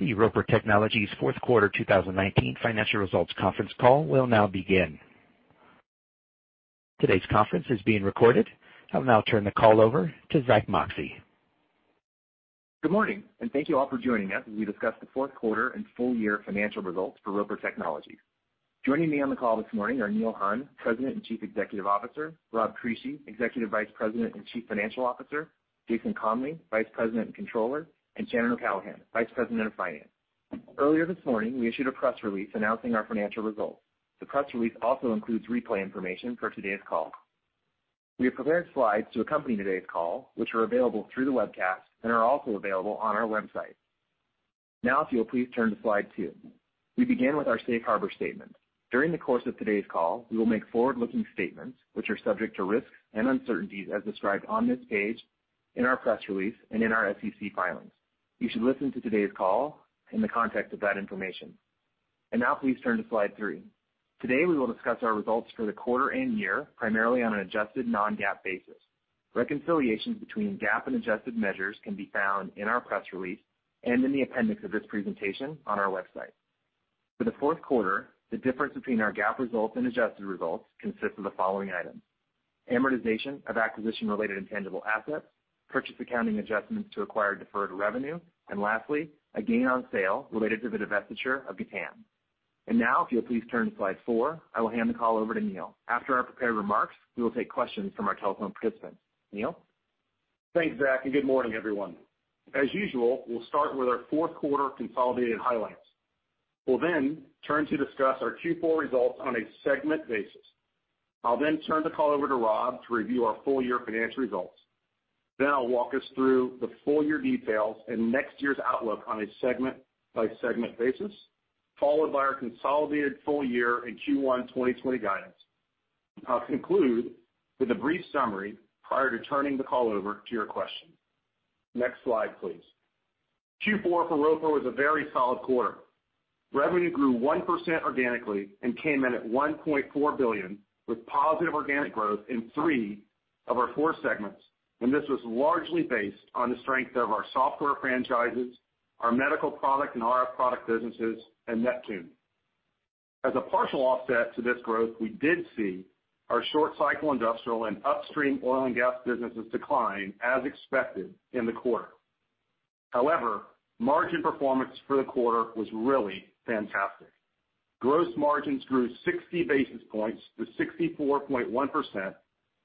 The Roper Technologies fourth quarter 2019 financial results conference call will now begin. Today's conference is being recorded. I will now turn the call over to Zack Moxcey. Good morning, and thank you all for joining us as we discuss the fourth quarter and full year financial results for Roper Technologies. Joining me on the call this morning are Neil Hunn, President and Chief Executive Officer, Rob Crisci, Executive Vice President and Chief Financial Officer, Jason Conley, Vice President and Controller, and Shannon O'Callaghan, Vice President of Finance. Earlier this morning, we issued a press release announcing our financial results. The press release also includes replay information for today's call. We have prepared slides to accompany today's call, which are available through the webcast and are also available on our website. Now, if you'll please turn to slide two. We begin with our safe harbor statement. During the course of today's call, we will make forward-looking statements, which are subject to risks and uncertainties as described on this page, in our press release, and in our SEC filings. You should listen to today's call in the context of that information. Please turn to slide three. Today, we will discuss our results for the quarter and year, primarily on an adjusted non-GAAP basis. Reconciliations between GAAP and adjusted measures can be found in our press release and in the appendix of this presentation on our website. For the fourth quarter, the difference between our GAAP results and adjusted results consists of the following items: amortization of acquisition-related intangible assets, purchase accounting adjustments to acquire deferred revenue, and lastly, a gain on sale related to the divestiture of Gatan. If you'll please turn to slide four, I will hand the call over to Neil. After our prepared remarks, we will take questions from our telephone participants. Neil? Thanks, Zack, good morning, everyone. As usual, we'll start with our fourth quarter consolidated highlights. We'll turn to discuss our Q4 results on a segment basis. I'll turn the call over to Rob to review our full-year financial results. I'll walk us through the full-year details and next year's outlook on a segment-by-segment basis, followed by our consolidated full-year and Q1 2020 guidance. I'll conclude with a brief summary prior to turning the call over to your questions. Next slide, please. Q4 for Roper was a very solid quarter. Revenue grew 1% organically and came in at $1.4 billion, with positive organic growth in three of our four segments, and this was largely based on the strength of our software franchises, our medical product and RF product businesses, and Neptune. As a partial offset to this growth, we did see our short-cycle industrial and upstream oil and gas businesses decline as expected in the quarter. Margin performance for the quarter was really fantastic. Gross margins grew 60 basis points to 64.1%.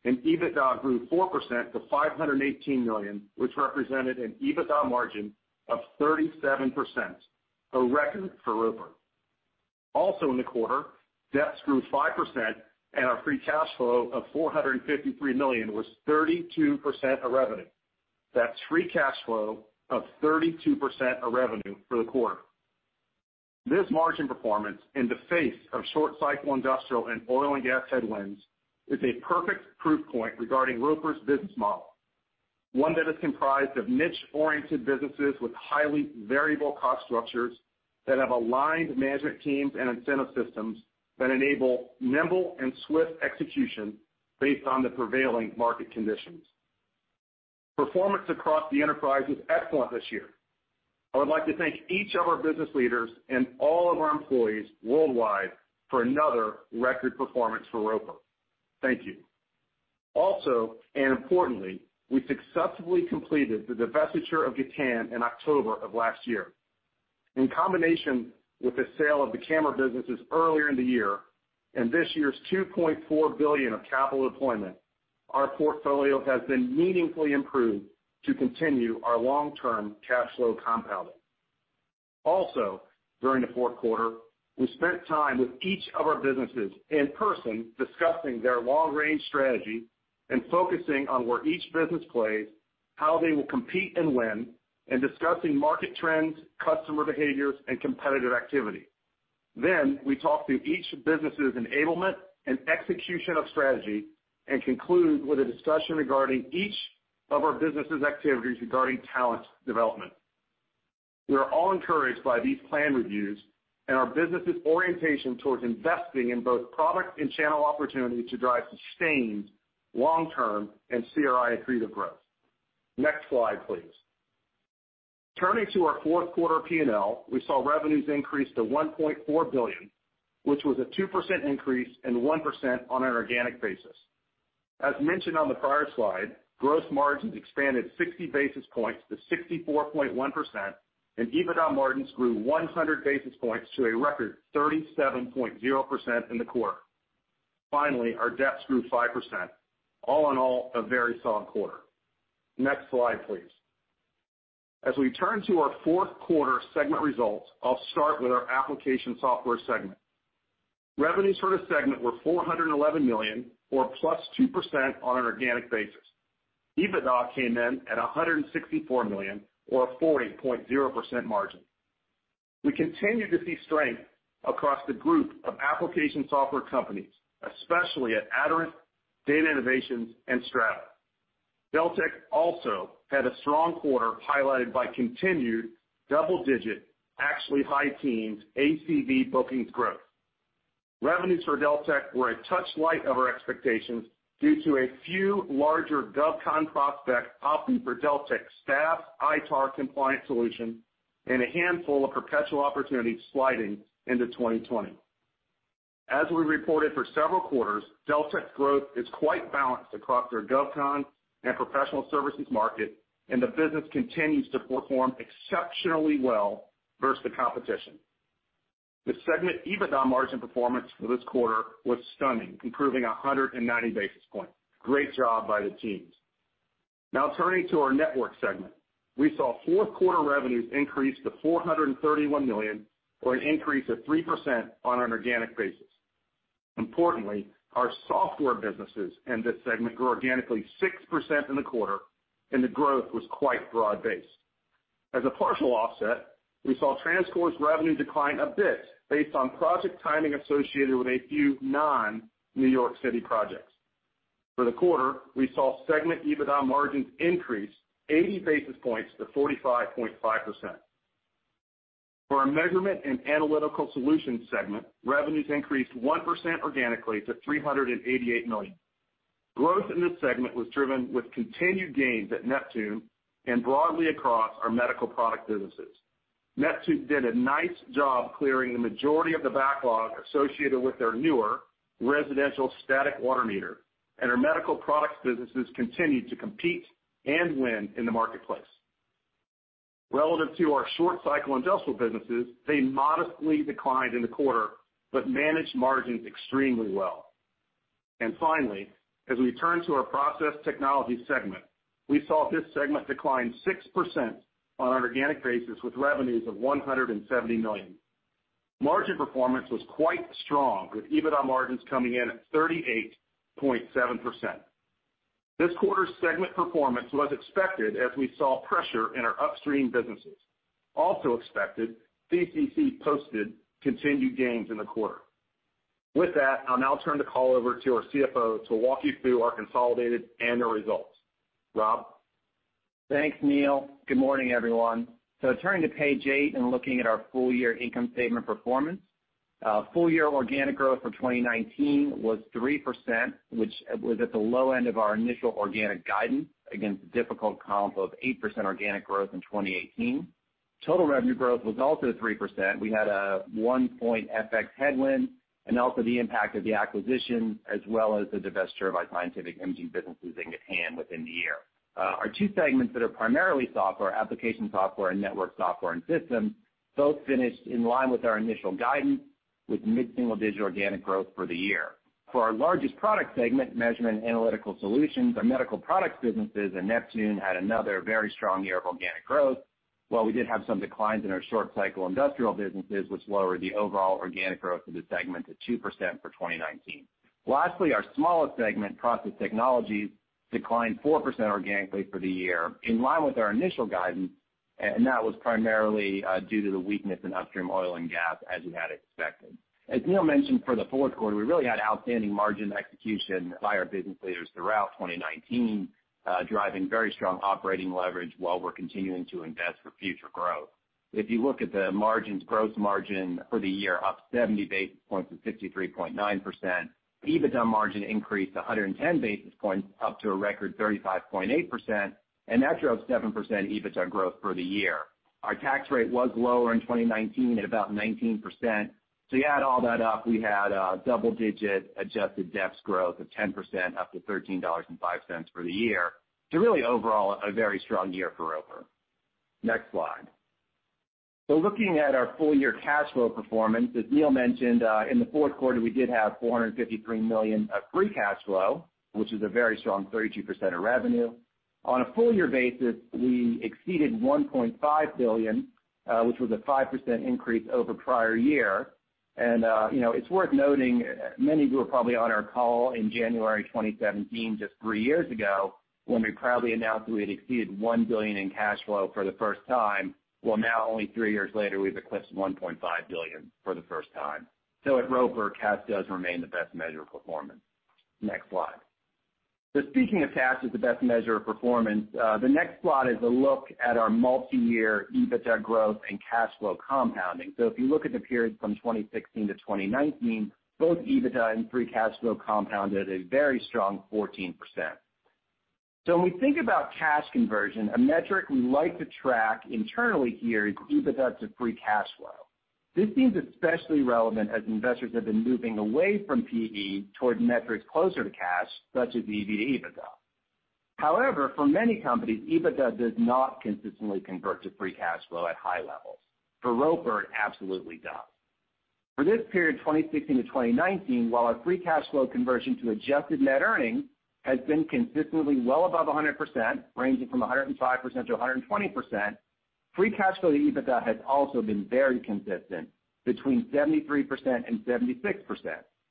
EBITDA grew 4% to $518 million, which represented an EBITDA margin of 37%, a record for Roper. Also in the quarter, DEPS grew 5%. Our free cash flow of $453 million was 32% of revenue. That's free cash flow of 32% of revenue for the quarter. This margin performance in the face of short-cycle industrial and oil and gas headwinds is a perfect proof point regarding Roper's business model, one that is comprised of niche-oriented businesses with highly variable cost structures that have aligned management teams and incentive systems that enable nimble and swift execution based on the prevailing market conditions. Performance across the enterprise was excellent this year. I would like to thank each of our business leaders and all of our employees worldwide for another record performance for Roper. Thank you. Also, importantly, we successfully completed the divestiture of Gatan in October of last year. In combination with the sale of the camera businesses earlier in the year and this year's $2.4 billion of capital deployment, our portfolio has been meaningfully improved to continue our long-term cash flow compounding. Also, during the fourth quarter, we spent time with each of our businesses in person discussing their long-range strategy and focusing on where each business plays, how they will compete and win, and discussing market trends, customer behaviors, and competitive activity. We talked through each business's enablement and execution of strategy and concluded with a discussion regarding each of our business's activities regarding talent development. We are all encouraged by these plan reviews and our business' orientation towards investing in both product and channel opportunities to drive sustained long-term and CRI accretive growth. Next slide, please. Turning to our fourth quarter P&L, we saw revenues increase to $1.4 billion, which was a 2% increase and 1% on an organic basis. As mentioned on the prior slide, gross margins expanded 60 basis points to 64.1%, and EBITDA margins grew 100 basis points to a record 37.0% in the quarter. Finally, our DEPS grew 5%. All in all, a very solid quarter. Next slide, please. As we turn to our fourth quarter segment results, I'll start with our Application Software segment. Revenues for the segment were $411 million or plus 2% on an organic basis. EBITDA came in at $164 million or a 40.0% margin. We continue to see strength across the group of application software companies, especially at Aderant, Data Innovations, and Strata. Deltek also had a strong quarter highlighted by continued double-digit, actually high teens, ACV bookings growth. Revenues for Deltek were a touch light of our expectations due to a few larger GovCon prospects opting for Deltek's staff ITAR compliance solution and a handful of perpetual opportunities sliding into 2020. As we reported for several quarters, Deltek's growth is quite balanced across their GovCon and professional services market, the business continues to perform exceptionally well versus the competition. The segment EBITDA margin performance for this quarter was stunning, improving 190 basis points. Great job by the teams. Turning to our networks segment. We saw fourth quarter revenues increase to $431 million, or an increase of 3% on an organic basis. Importantly, our software businesses in this segment grew organically 6% in the quarter, and the growth was quite broad-based. As a partial offset, we saw TransCore's revenue decline a bit based on project timing associated with a few non-New York City projects. For the quarter, we saw segment EBITDA margins increase 80 basis points to 45.5%. For our measurement and analytical solutions segment, revenues increased 1% organically to $388 million. Growth in this segment was driven with continued gains at Neptune and broadly across our medical product businesses. Neptune did a nice job clearing the majority of the backlog associated with their newer residential static water meter, and our medical products businesses continue to compete and win in the marketplace. Relative to our short cycle industrial businesses, they modestly declined in the quarter, but managed margins extremely well. Finally, as we turn to our Process Technologies segment, we saw this segment decline 6% on an organic basis with revenues of $170 million. Margin performance was quite strong with EBITDA margins coming in at 38.7%. This quarter's segment performance was expected as we saw pressure in our upstream businesses. Also expected, CCC posted continued gains in the quarter. With that, I'll now turn the call over to our CFO to walk you through our consolidated annual results. Rob? Thanks, Neil. Good morning, everyone. Turning to page eight and looking at our full year income statement performance. Full year organic growth for 2019 was 3%, which was at the low end of our initial organic guidance against a difficult comp of 8% organic growth in 2018. Total revenue growth was also 3%. We had a one-point FX headwind and also the impact of the acquisition as well as the divestiture of our Scientific imaging businesses in hand within the year. Our two segments that are primarily software, application software, and network software and systems, both finished in line with our initial guidance with mid-single-digit organic growth for the year. For our largest product segment, measurement analytical solutions, our medical products businesses and Neptune had another very strong year of organic growth, while we did have some declines in our short cycle industrial businesses, which lowered the overall organic growth of the segment to 2% for 2019. Lastly, our smallest segment, process technologies, declined 4% organically for the year, in line with our initial guidance. That was primarily due to the weakness in upstream oil and gas as we had expected. As Neil mentioned, for the fourth quarter, we really had outstanding margin execution by our business leaders throughout 2019, driving very strong operating leverage while we're continuing to invest for future growth. If you look at the margins, gross margin for the year, up 70 basis points to 63.9%. EBITDA margin increased 110 basis points up to a record 35.8%, and that drove 7% EBITDA growth for the year. Our tax rate was lower in 2019 at about 19%. You add all that up, we had a double-digit adjusted DEPS growth of 10% up to $13.05 for the year. Really overall, a very strong year for Roper. Next slide. Looking at our full-year cash flow performance, as Neil mentioned, in the fourth quarter, we did have $453 million of free cash flow, which is a very strong 32% of revenue. On a full-year basis, we exceeded $1.5 billion, which was a 5% increase over prior year. It's worth noting many who were probably on our call in January 2017, just three years ago, when we proudly announced that we had exceeded $1 billion in cash flow for the first time. Well, now only three years later, we've eclipsed $1.5 billion for the first time. Next slide. At Roper, cash does remain the best measure of performance. Speaking of cash as the best measure of performance, the next slide is a look at our multi-year EBITDA growth and cash flow compounding. If you look at the period from 2016-2019, both EBITDA and free cash flow compounded a very strong 14%. When we think about cash conversion, a metric we like to track internally here is EBITDA to free cash flow. This seems especially relevant as investors have been moving away from P/E towards metrics closer to cash, such as EV to EBITDA. However, for many companies, EBITDA does not consistently convert to free cash flow at high levels. For Roper, it absolutely does. For this period, 2016 to 2019, while our free cash flow conversion to adjusted net earnings has been consistently well above 100%, ranging from 105%-120%, free cash flow to EBITDA has also been very consistent, between 73% and 76%.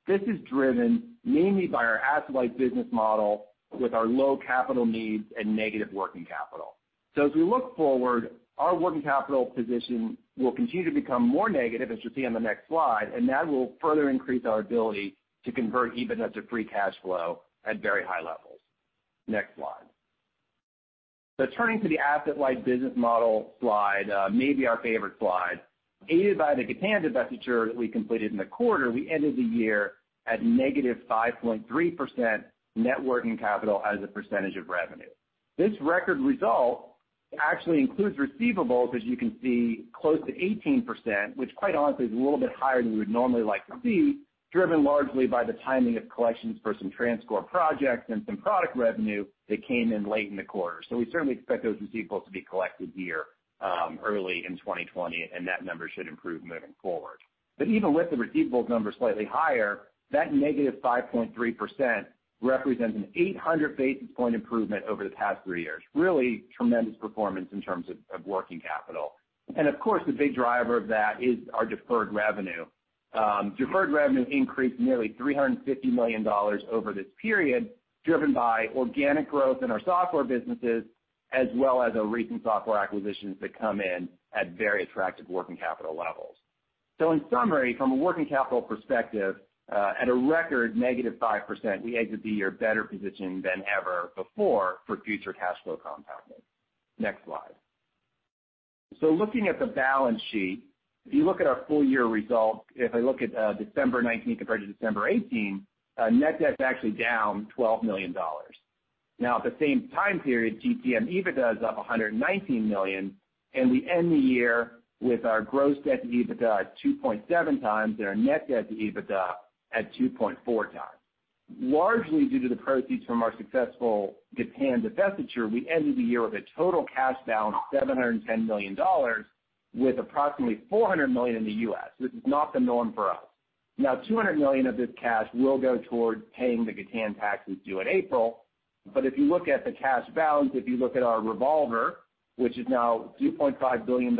This is driven mainly by our asset-light business model with our low capital needs and negative working capital. As we look forward, our working capital position will continue to become more negative, as you'll see on the next slide, and that will further increase our ability to convert EBITDA to free cash flow at very high levels. Next slide. Turning to the asset-light business model slide, maybe our favorite slide. Aided by the Gatan divestiture that we completed in the quarter, we ended the year at -5.3% net working capital as a percentage of revenue. This record result actually includes receivables, as you can see, close to 18%, which quite honestly is a little bit higher than we would normally like to see, driven largely by the timing of collections for some TransCore projects and some product revenue that came in late in the quarter. We certainly expect those receivables to be collected here early in 2020, and that number should improve moving forward. Even with the receivables number slightly higher, that negative 5.3% represents an 800 basis point improvement over the past three years. Really tremendous performance in terms of working capital. Of course, the big driver of that is our deferred revenue. Deferred revenue increased nearly $350 million over this period, driven by organic growth in our software businesses, as well as our recent software acquisitions that come in at very attractive working capital levels. In summary, from a working capital perspective, at a record -5%, we exit the year better positioned than ever before for future cash flow compounding. Next slide. Looking at the balance sheet, if you look at our full-year results, if I look at December 2019 compared to December 2018, net debt's actually down $12 million. Now, at the same time period, TTM EBITDA is up $119 million, and we end the year with our gross debt to EBITDA at 2.7 times, and our net debt to EBITDA at 2.4 times. Largely due to the proceeds from our successful Gatan divestiture, we ended the year with a total cash balance of $710 million, with approximately $400 million in the U.S. This is not the norm for us. Now, $200 million of this cash will go towards paying the Gatan taxes due in April. If you look at the cash balance, if you look at our revolver, which is now a $2.5 billion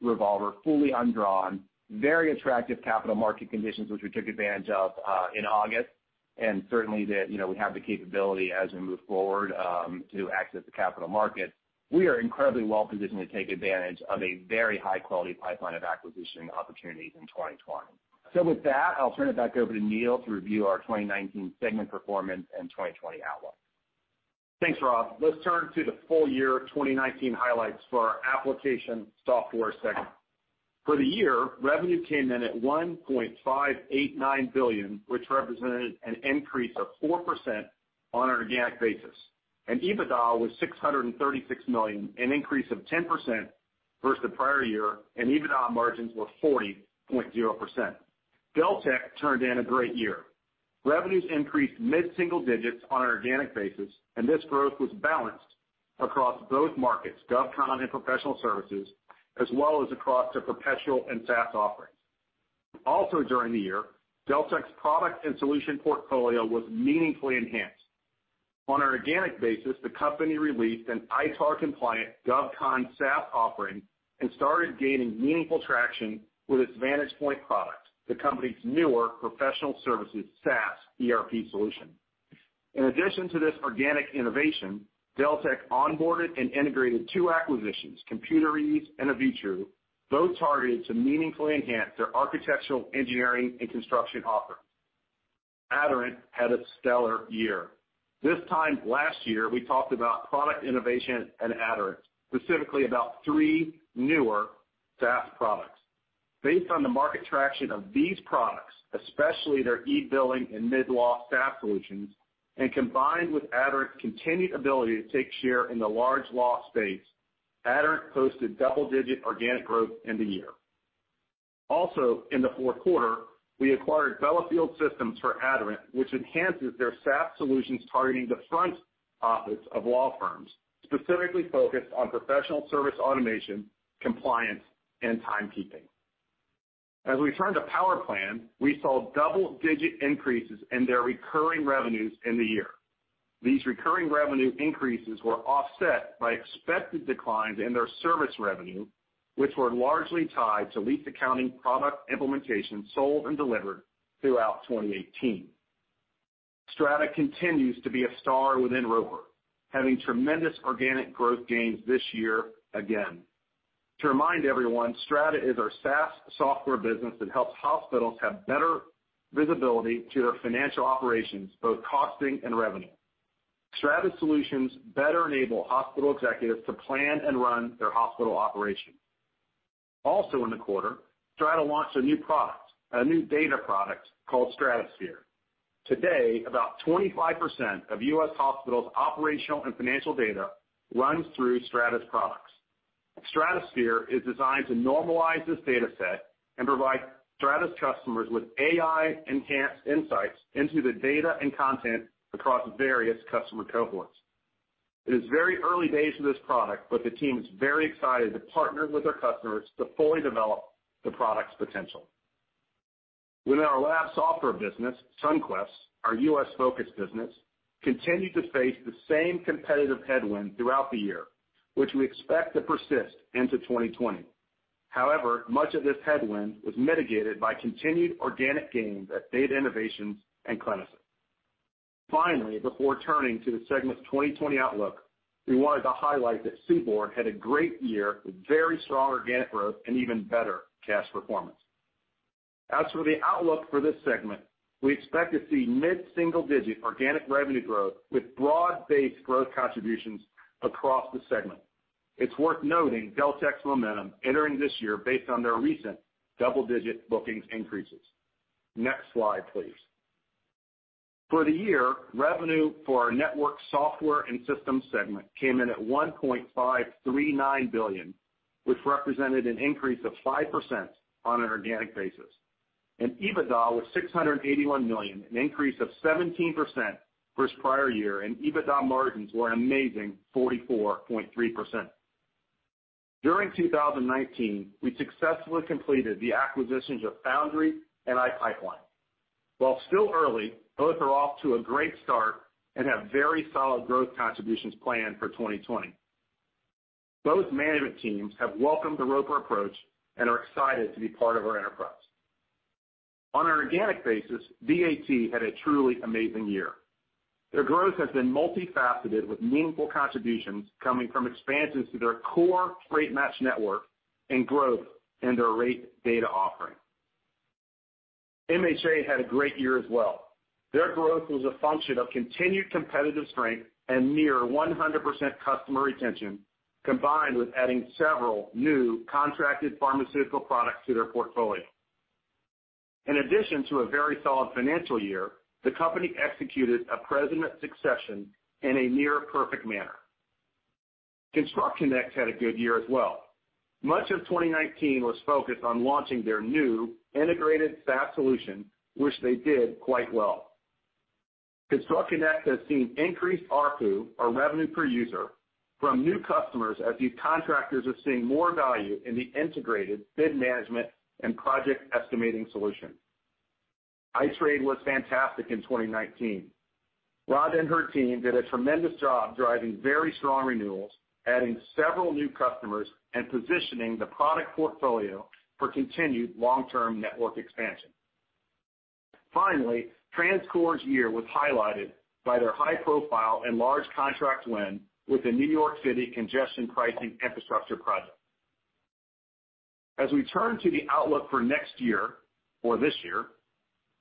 revolver, fully undrawn, very attractive capital market conditions, which we took advantage of in August, and certainly that we have the capability as we move forward to access the capital market, we are incredibly well-positioned to take advantage of a very high-quality pipeline of acquisition opportunities in 2020. With that, I'll turn it back over to Neil to review our 2019 segment performance and 2020 outlook. Thanks, Rob. Let's turn to the full year 2019 highlights for our application software segment. For the year, revenue came in at $1.589 billion, which represented an increase of 4% on an organic basis, and EBITDA was $636 million, an increase of 10% versus the prior year, and EBITDA margins were 40.0%. Deltek turned in a great year. Revenues increased mid-single digits on an organic basis, and this growth was balanced across both markets, GovCon and professional services, as well as across the perpetual and SaaS offerings. Also during the year, Deltek's product and solution portfolio was meaningfully enhanced. On an organic basis, the company released an ITAR-compliant GovCon SaaS offering and started gaining meaningful traction with its Vantagepoint product, the company's newer professional services SaaS ERP solution. In addition to this organic innovation, Deltek onboarded and integrated two acquisitions, ComputerEase and Avitru, both targeted to meaningfully enhance their architectural engineering and construction offering. Aderant had a stellar year. This time last year, we talked about product innovation and Aderant, specifically about three newer SaaS products. Based on the market traction of these products, especially their e-billing and mid-law SaaS solutions, and combined with Aderant's continued ability to take share in the large law space, Aderant posted double-digit organic growth end of year. Also, in the fourth quarter, we acquired Bellefield Systems for Aderant, which enhances their SaaS solutions targeting the front office of law firms, specifically focused on professional service automation, compliance, and timekeeping. As we turn to PowerPlan, we saw double-digit increases in their recurring revenues in the year. These recurring revenue increases were offset by expected declines in their service revenue, which were largely tied to lease accounting product implementation sold and delivered throughout 2018. Strata continues to be a star within Roper Technologies, having tremendous organic growth gains this year again. To remind everyone, Strata is our SaaS software business that helps hospitals have better visibility to their financial operations, both costing and revenue. Strata solutions better enable hospital executives to plan and run their hospital operations. Also in the quarter, Strata launched a new product, a new data product called StrataSphere. Today, about 25% of U.S. hospitals' operational and financial data runs through Strata's products. StrataSphere is designed to normalize this data set and provide Strata's customers with AI-enhanced insights into the data and content across various customer cohorts. It is very early days for this product, but the team is very excited to partner with our customers to fully develop the product's potential. Within our lab software business, Sunquest, our U.S.-focused business, continued to face the same competitive headwind throughout the year, which we expect to persist into 2020. Much of this headwind was mitigated by continued organic gains at Data Innovations and Clinisys. Finally, before turning to the segment's 2020 outlook, we wanted to highlight that CBORD had a great year with very strong organic growth and even better cash performance. As for the outlook for this segment, we expect to see mid-single-digit organic revenue growth with broad-based growth contributions across the segment. It's worth noting Deltek's momentum entering this year based on their recent double-digit bookings increases. Next slide, please. For the year, revenue for our network software and systems segment came in at $1.539 billion, which represented an increase of 5% on an organic basis. EBITDA was $681 million, an increase of 17% versus prior year, and EBITDA margins were an amazing 44.3%. During 2019, we successfully completed the acquisitions of Foundry and iPipeline. While still early, both are off to a great start and have very solid growth contributions planned for 2020. Both management teams have welcomed the Roper approach and are excited to be part of our enterprise. On an organic basis, DAT had a truly amazing year. Their growth has been multifaceted, with meaningful contributions coming from expansions to their core Freight Match network and growth in their rate data offering. MHA had a great year as well. Their growth was a function of continued competitive strength and near 100% customer retention, combined with adding several new contracted pharmaceutical products to their portfolio. In addition to a very solid financial year, the company executed a president succession in a near-perfect manner. ConstructConnect had a good year as well. Much of 2019 was focused on launching their new integrated SaaS solution, which they did quite well. ConstructConnect has seen increased ARPU, or revenue per user, from new customers as these contractors are seeing more value in the integrated bid management and project estimating solution. iTrade was fantastic in 2019. Rhonda and her team did a tremendous job driving very strong renewals, adding several new customers, and positioning the product portfolio for continued long-term network expansion. Finally, TransCore's year was highlighted by their high-profile and large contract win with the New York City Congestion Pricing Infrastructure Project. As we turn to the outlook for next year or this year,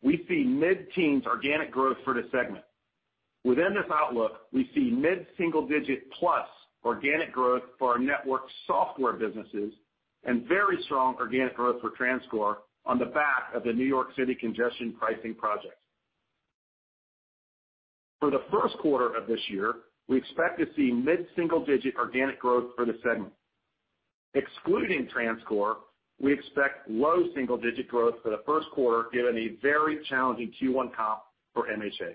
we see mid-teens organic growth for the segment. Within this outlook, we see mid-single-digit plus organic growth for our network software businesses and very strong organic growth for TransCore on the back of the New York City congestion pricing project. For the first quarter of this year, we expect to see mid-single-digit organic growth for the segment. Excluding TransCore, we expect low single-digit growth for the first quarter given a very challenging Q1 comp for MHA.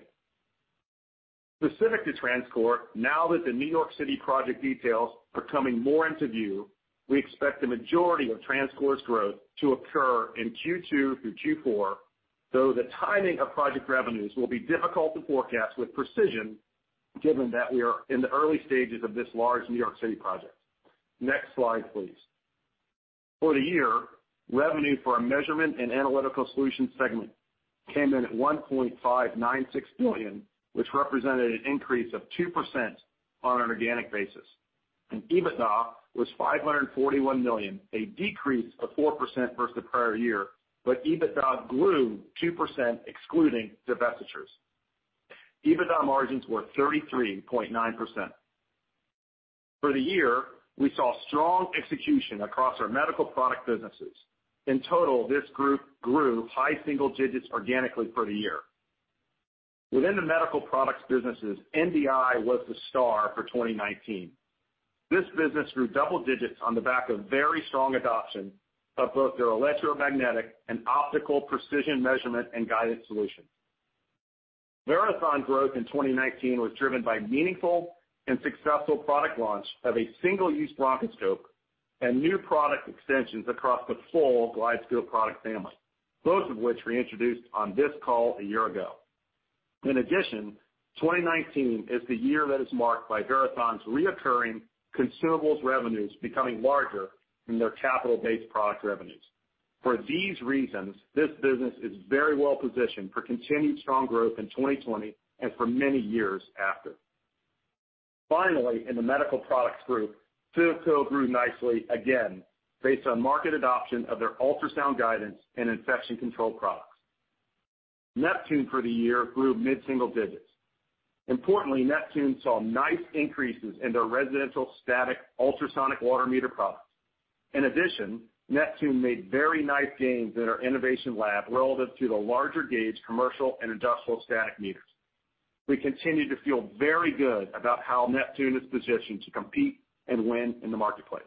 Specific to TransCore, now that the New York City project details are coming more into view, we expect the majority of TransCore's growth to occur in Q2 through Q4, though the timing of project revenues will be difficult to forecast with precision given that we are in the early stages of this large New York City project. Next slide, please. For the year, revenue for our Measurement & Analytical Solutions segment came in at $1.596 billion, which represented an increase of 2% on an organic basis. EBITDA was $541 million, a decrease of 4% versus the prior year, but EBITDA grew 2% excluding divestitures. EBITDA margins were 33.9%. For the year, we saw strong execution across our medical product businesses. In total, this group grew high single digits organically for the year. Within the medical products businesses, NDI was the star for 2019. This business grew double digits on the back of very strong adoption of both their electromagnetic and optical precision measurement and guided solutions. Verathon's growth in 2019 was driven by meaningful and successful product launch of a single-use bronchoscope and new product extensions across the full GlideScope product family, both of which were introduced on this call a year ago. 2019 is the year that is marked by Verathon's recurring consumables revenues becoming larger than their capital-based product revenues. This business is very well-positioned for continued strong growth in 2020 and for many years after. In the medical products group, CIVCO grew nicely again based on market adoption of their ultrasound guidance and infection control products. Neptune for the year grew mid-single digits. Neptune saw nice increases in their residential static ultrasonic water meter products. Neptune made very nice gains in our innovation lab relative to the larger gauge commercial and industrial static meters. We continue to feel very good about how Neptune is positioned to compete and win in the marketplace.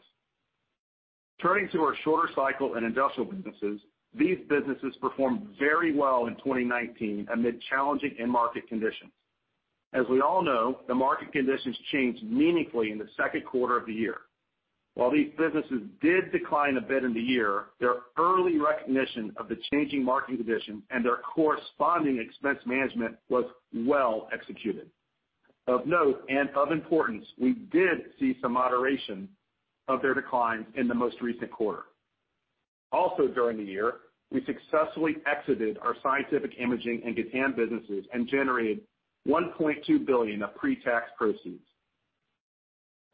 Turning to our shorter cycle and industrial businesses, these businesses performed very well in 2019 amid challenging end market conditions. As we all know, the market conditions changed meaningfully in the second quarter of the year. While these businesses did decline a bit in the year, their early recognition of the changing market condition and their corresponding expense management was well executed. Of note and of importance, we did see some moderation of their declines in the most recent quarter. Also during the year, we successfully exited our scientific imaging and Gatan businesses and generated $1.2 billion of pre-tax proceeds.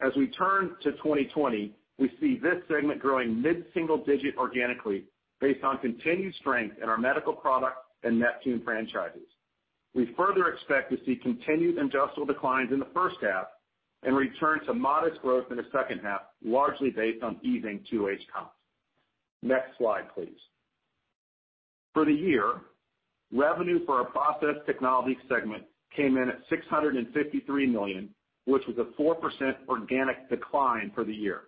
As we turn to 2020, we see this segment growing mid-single digit organically based on continued strength in our medical product and Neptune franchises. We further expect to see continued industrial declines in the first half and return to modest growth in the second half, largely based on easing 2H comps. Next slide, please. For the year, revenue for our process technology segment came in at $653 million, which was a 4% organic decline for the year.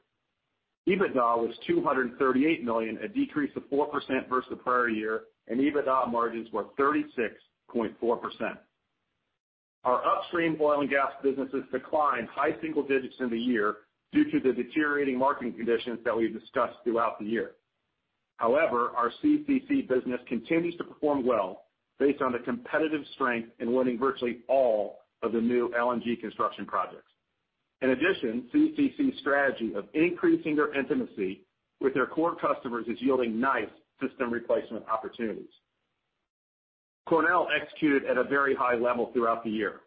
EBITDA was $238 million, a decrease of 4% versus the prior year, and EBITDA margins were 36.4%. Our upstream oil and gas businesses declined high single digits in the year due to the deteriorating marketing conditions that we've discussed throughout the year. However, our CCC business continues to perform well based on the competitive strength in winning virtually all of the new LNG construction projects. In addition, CCC's strategy of increasing their intimacy with their core customers is yielding nice system replacement opportunities. Cornell executed at a very high level throughout the year.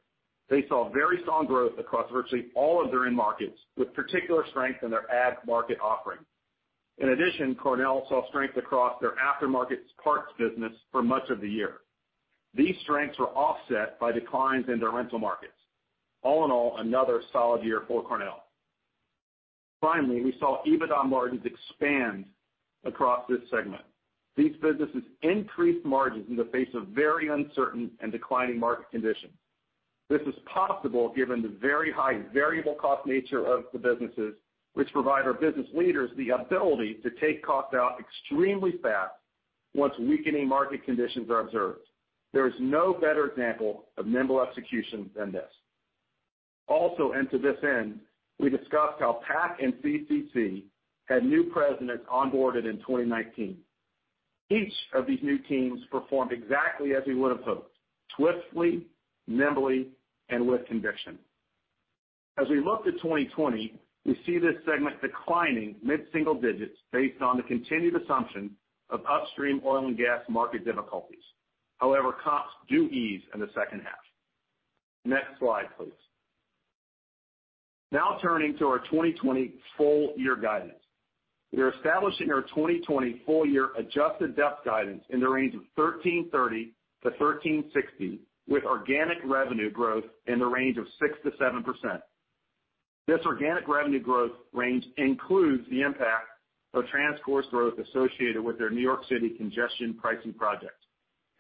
They saw very strong growth across virtually all of their end markets, with particular strength in their ag market offering. In addition, Cornell saw strength across their aftermarket parts business for much of the year. These strengths were offset by declines in their rental markets. All in all, another solid year for Cornell. Finally, we saw EBITDA margins expand across this segment. These businesses increased margins in the face of very uncertain and declining market conditions. This is possible given the very high variable cost nature of the businesses, which provide our business leaders the ability to take costs out extremely fast once weakening market conditions are observed. There is no better example of nimble execution than this. To this end, we discussed how PAC and CCC had new presidents onboarded in 2019. Each of these new teams performed exactly as we would've hoped, swiftly, nimbly, and with conviction. As we look to 2020, we see this segment declining mid-single digits based on the continued assumption of upstream oil and gas market difficulties. Comps do ease in the second half. Next slide, please. Turning to our 2020 full year guidance. We are establishing our 2020 full year adjusted EPS guidance in the range of $13.30-$13.60, with organic revenue growth in the range of 6%-7%. This organic revenue growth range includes the impact of TransCore's growth associated with their New York City Congestion Pricing Project.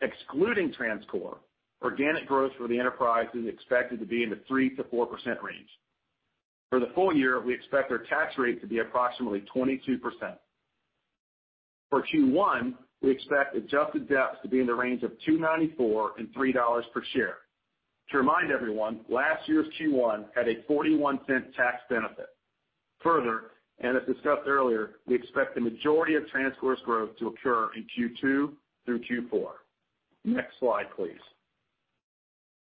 Excluding TransCore, organic growth for the enterprise is expected to be in the 3%-4% range. For the full year, we expect our tax rate to be approximately 22%. For Q1, we expect adjusted EPS to be in the range of $2.94 and $3 per share. To remind everyone, last year's Q1 had a $0.41 tax benefit. Further, as discussed earlier, we expect the majority of TransCore's growth to occur in Q2 through Q4. Next slide, please.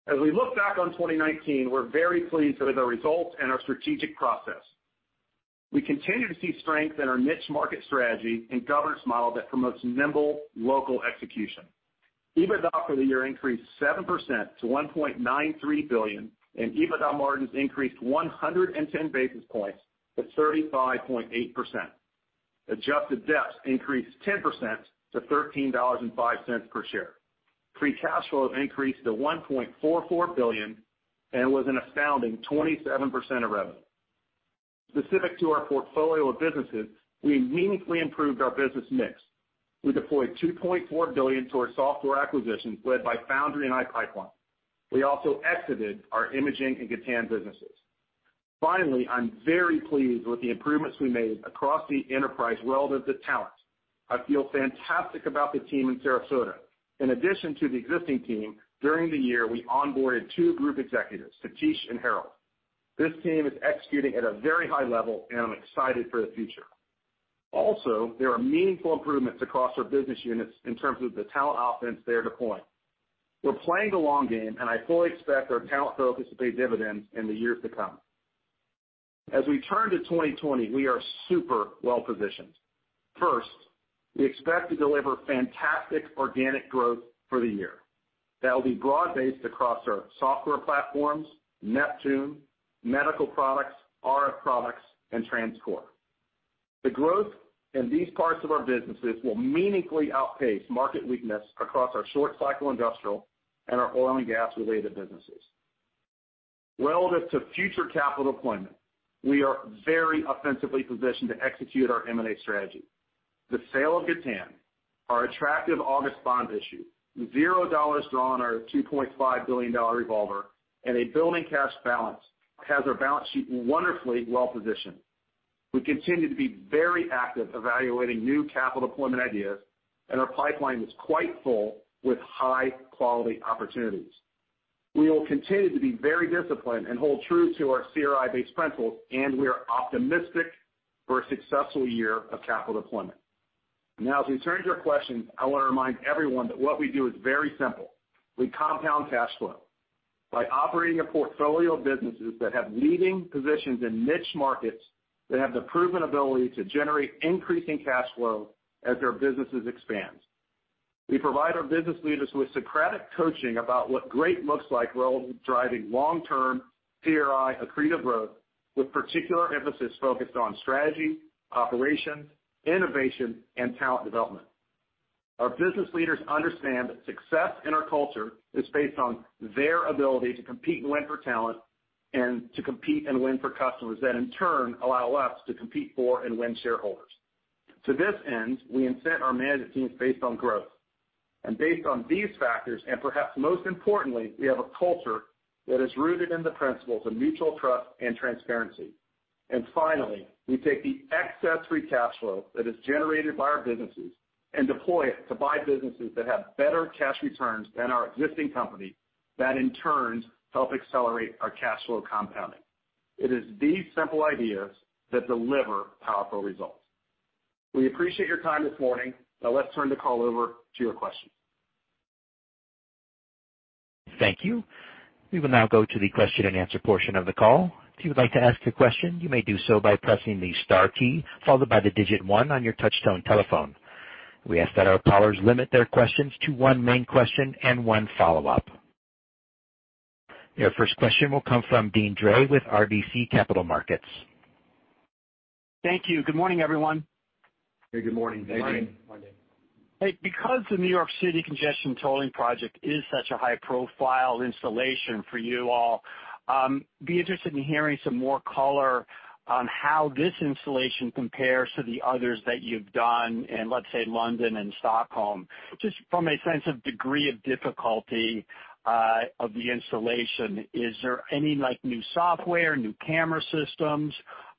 As we look back on 2019, we're very pleased with our results and our strategic process. We continue to see strength in our niche market strategy and governance model that promotes nimble local execution. EBITDA for the year increased 7% to $1.93 billion, and EBITDA margins increased 110 basis points to 35.8%. Adjusted EPS increased 10% to $13.05 per share. Free cash flow increased to $1.44 billion and was an astounding 27% of revenue. Specific to our portfolio of businesses, we meaningfully improved our business mix. We deployed $2.4 billion to our software acquisitions led by Foundry and iPipeline. We also exited our imaging and Gatan businesses. Finally, I'm very pleased with the improvements we made across the enterprise relative to talent. I feel fantastic about the team in Sarasota. In addition to the existing team, during the year, we onboarded two group executives, Satish and Harold. This team is executing at a very high level, and I'm excited for the future. Also, there are meaningful improvements across our business units in terms of the talent offense they are deploying. We're playing the long game, and I fully expect our talent focus to pay dividends in the years to come. As we turn to 2020, we are super well-positioned. First, we expect to deliver fantastic organic growth for the year. That will be broad-based across our software platforms, Neptune, medical products, RF products, and TransCore. The growth in these parts of our businesses will meaningfully outpace market weakness across our short-cycle industrial and our oil and gas-related businesses. Relative to future capital deployment, we are very offensively positioned to execute our M&A strategy. The sale of Gatan, our attractive August bond issue, $0 drawn on our $2.5 billion revolver, and a building cash balance has our balance sheet wonderfully well-positioned. We continue to be very active evaluating new capital deployment ideas, and our pipeline is quite full with high-quality opportunities. We will continue to be very disciplined and hold true to our CRI-based principles, and we are optimistic for a successful year of capital deployment. Now, as we turn to your questions, I want to remind everyone that what we do is very simple. We compound cash flow. By operating a portfolio of businesses that have leading positions in niche markets that have the proven ability to generate increasing cash flow as their businesses expand. We provide our business leaders with Socratic coaching about what great looks like relevant to driving long-term CRI accretive growth, with particular emphasis focused on strategy, operations, innovation, and talent development. Our business leaders understand that success in our culture is based on their ability to compete and win for talent, and to compete and win for customers that in turn allow us to compete for and win shareholders. To this end, we incent our management teams based on growth. Based on these factors, and perhaps most importantly, we have a culture that is rooted in the principles of mutual trust and transparency. Finally, we take the excess free cash flow that is generated by our businesses and deploy it to buy businesses that have better cash returns than our existing company, that in turn help accelerate our cash flow compounding. It is these simple ideas that deliver powerful results. We appreciate your time this morning. Let's turn the call over to your questions. Thank you. We will now go to the question and answer portion of the call. If you would like to ask a question, you may do so by pressing the star key followed by the digit one on your touchtone telephone. We ask that our callers limit their questions to one main question and one follow-up. Your first question will come from Deane Dray with RBC Capital Markets. Thank you. Good morning, everyone. Hey, good morning. Good morning. Hey, because the New York City congestion tolling project is such a high-profile installation for you all, I'd be interested in hearing some more color on how this installation compares to the others that you've done in, let's say, London and Stockholm, just from a sense of degree of difficulty of the installation. Is there any new software, new camera systems,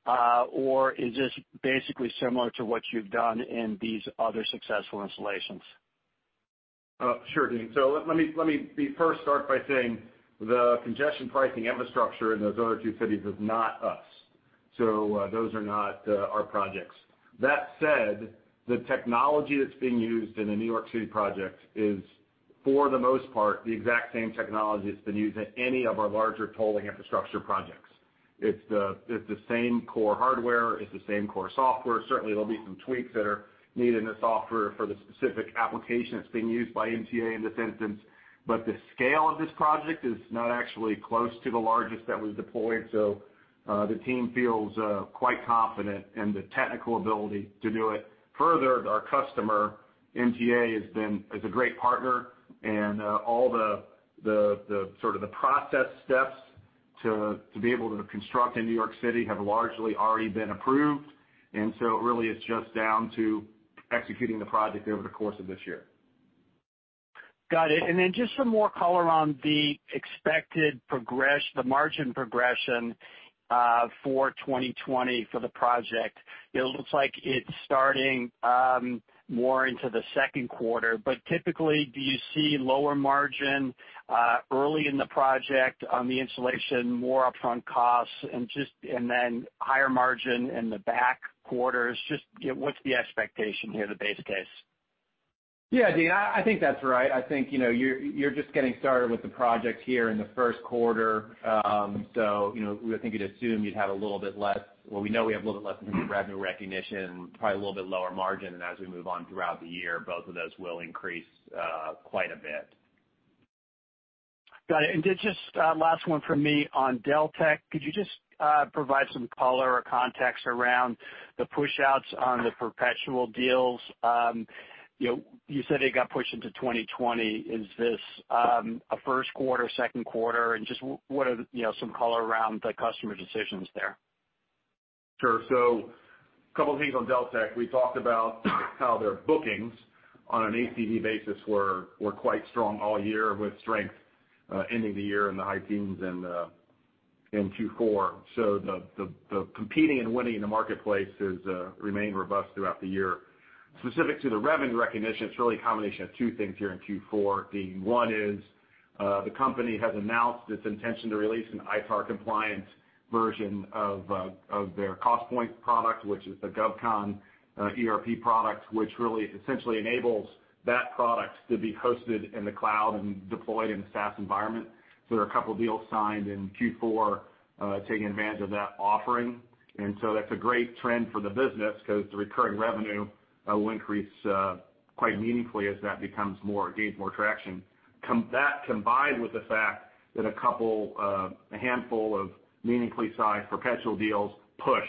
or is this basically similar to what you've done in these other successful installations? Sure, Deane. Let me first start by saying the congestion pricing infrastructure in those other two cities is not us. Those are not our projects. That said, the technology that's being used in the New York City project is, for the most part, the exact same technology that's been used at any of our larger tolling infrastructure projects. It's the same core hardware. It's the same core software. Certainly, there'll be some tweaks that are needed in the software for the specific application that's being used by MTA in this instance. The scale of this project is not actually close to the largest that we've deployed, so the team feels quite confident in the technical ability to do it. Further, our customer, MTA, is a great partner and all the process steps to be able to construct in New York City have largely already been approved. Really, it's just down to executing the project over the course of this year. Got it. Just some more color on the expected margin progression for 2020 for the project. It looks like it's starting more into the second quarter, typically, do you see lower margin early in the project on the installation, more upfront costs, and then higher margin in the back quarters? Just what's the expectation here, the base case? Yeah, Deane, I think that's right. I think you're just getting started with the project here in the first quarter. I think you'd assume you'd have a little bit less Well, we know we have a little bit less in terms of revenue recognition, probably a little bit lower margin, and as we move on throughout the year, both of those will increase quite a bit. Got it. Just last one from me on Deltek. Could you just provide some color or context around the push-outs on the perpetual deals? You said it got pushed into 2020. Is this a first quarter, second quarter, and just some color around the customer decisions there. Sure. A couple of things on Deltek. We talked about how their bookings on an ACV basis were quite strong all year with strength ending the year in the high teens in Q4. The competing and winning in the marketplace has remained robust throughout the year. Specific to the revenue recognition, it's really a combination of two things here in Q4. The one is the company has announced its intention to release an ITAR compliance version of their Costpoint product, which is the GovCon ERP product, which really essentially enables that product to be hosted in the cloud and deployed in a SaaS environment. There are a couple of deals signed in Q4 taking advantage of that offering. That's a great trend for the business because the recurring revenue will increase quite meaningfully as that gains more traction. That combined with the fact that a handful of meaningfully sized perpetual deals pushed.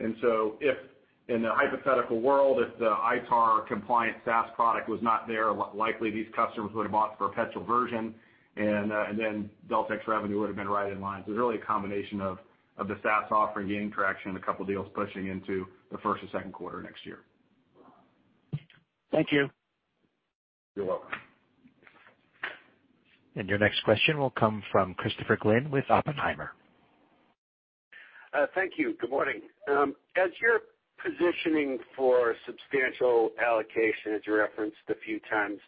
In a hypothetical world, if the ITAR compliance SaaS product was not there, likely these customers would have bought the perpetual version, and then Deltek's revenue would have been right in line. It's really a combination of the SaaS offering gaining traction and a couple of deals pushing into the first or second quarter next year. Thank you. You're welcome. Your next question will come from Christopher Glynn with Oppenheimer. Thank you. Good morning. As you're positioning for substantial allocation, as you referenced a few times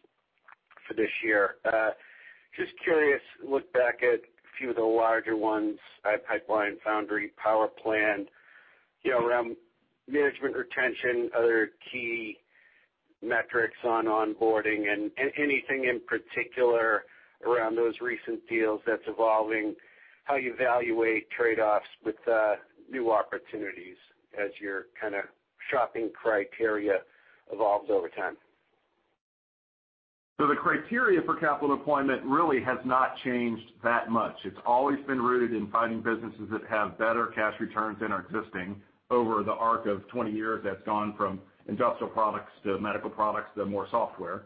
for this year, just curious, look back at a few of the larger ones, iPipeline, Foundry, PowerPlan, around management retention, other key metrics on onboarding and anything in particular around those recent deals that's evolving how you evaluate trade-offs with new opportunities as your shopping criteria evolves over time? The criteria for capital deployment really has not changed that much. It's always been rooted in finding businesses that have better cash returns than our existing. Over the arc of 20 years, that's gone from industrial products to medical products to more software.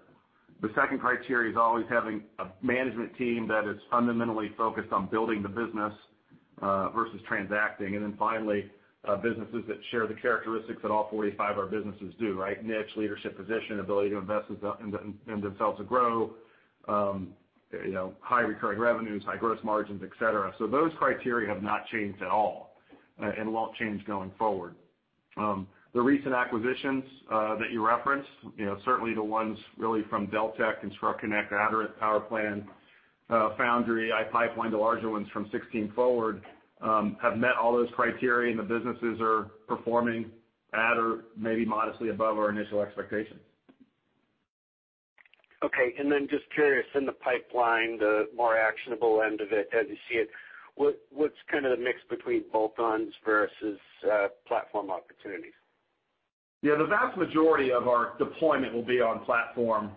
The second criteria is always having a management team that is fundamentally focused on building the business, versus transacting. Finally, businesses that share the characteristics that all 45 of our businesses do, right? Niche, leadership position, ability to invest in themselves to grow. High recurring revenues, high gross margins, et cetera. Those criteria have not changed at all, and won't change going forward. The recent acquisitions that you referenced, certainly the ones really from Deltek, ConstructConnect, Aderant, PowerPlan, Foundry, iPipeline, the larger ones from 2016 forward, have met all those criteria, and the businesses are performing at or maybe modestly above our initial expectations. Okay. Then just curious, in the pipeline, the more actionable end of it as you see it, what's the mix between bolt-ons versus platform opportunities? Yeah. The vast majority of our deployment will be on platform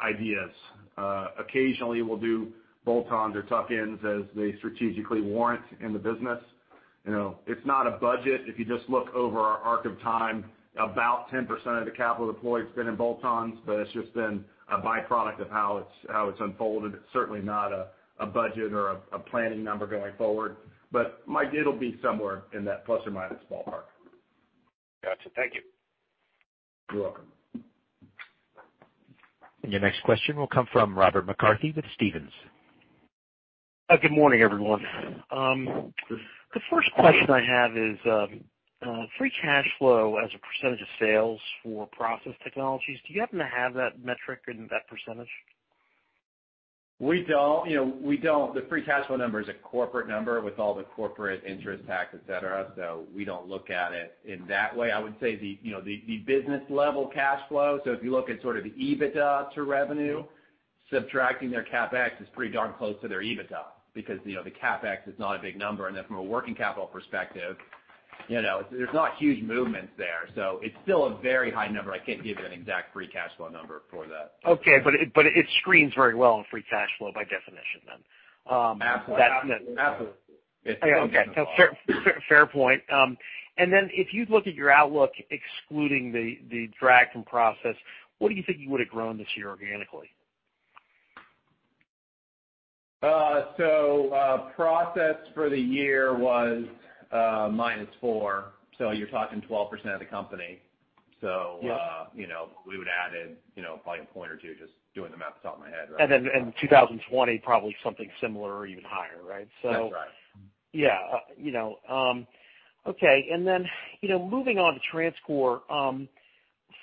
ideas. Occasionally, we'll do bolt-ons or tuck-ins as they strategically warrant in the business. It's not a budget. If you just look over our arc of time, about 10% of the capital deployed's been in bolt-ons, but it's just been a byproduct of how it's unfolded. It's certainly not a budget or a planning number going forward, but Mike, it'll be somewhere in that plus or minus ballpark. Got you. Thank you. You're welcome. Your next question will come from Robert McCarthy with Stephens. Good morning, everyone. The first question I have is, free cash flow as a % of sales for Process Technologies, do you happen to have that metric in that %? We don't. The free cash flow number is a corporate number with all the corporate interest tax, et cetera, so we don't look at it in that way. I would say the business level cash flow, so if you look at the EBITDA to revenue, subtracting their CapEx is pretty darn close to their EBITDA because the CapEx is not a big number. From a working capital perspective, there's not huge movements there. It's still a very high number. I can't give you an exact free cash flow number for that. Okay. It screens very well in free cash flow by definition then. Absolutely. Okay. Fair point. Then if you look at your outlook, excluding the drag from process, what do you think you would've grown this year organically? Process for the year was minus four, so you're talking 12% of the company. Yeah. We would've added, probably a point or two, just doing the math off the top of my head right now. In 2020, probably something similar or even higher, right? That's right. Yeah. Okay. Then, moving on to TransCore.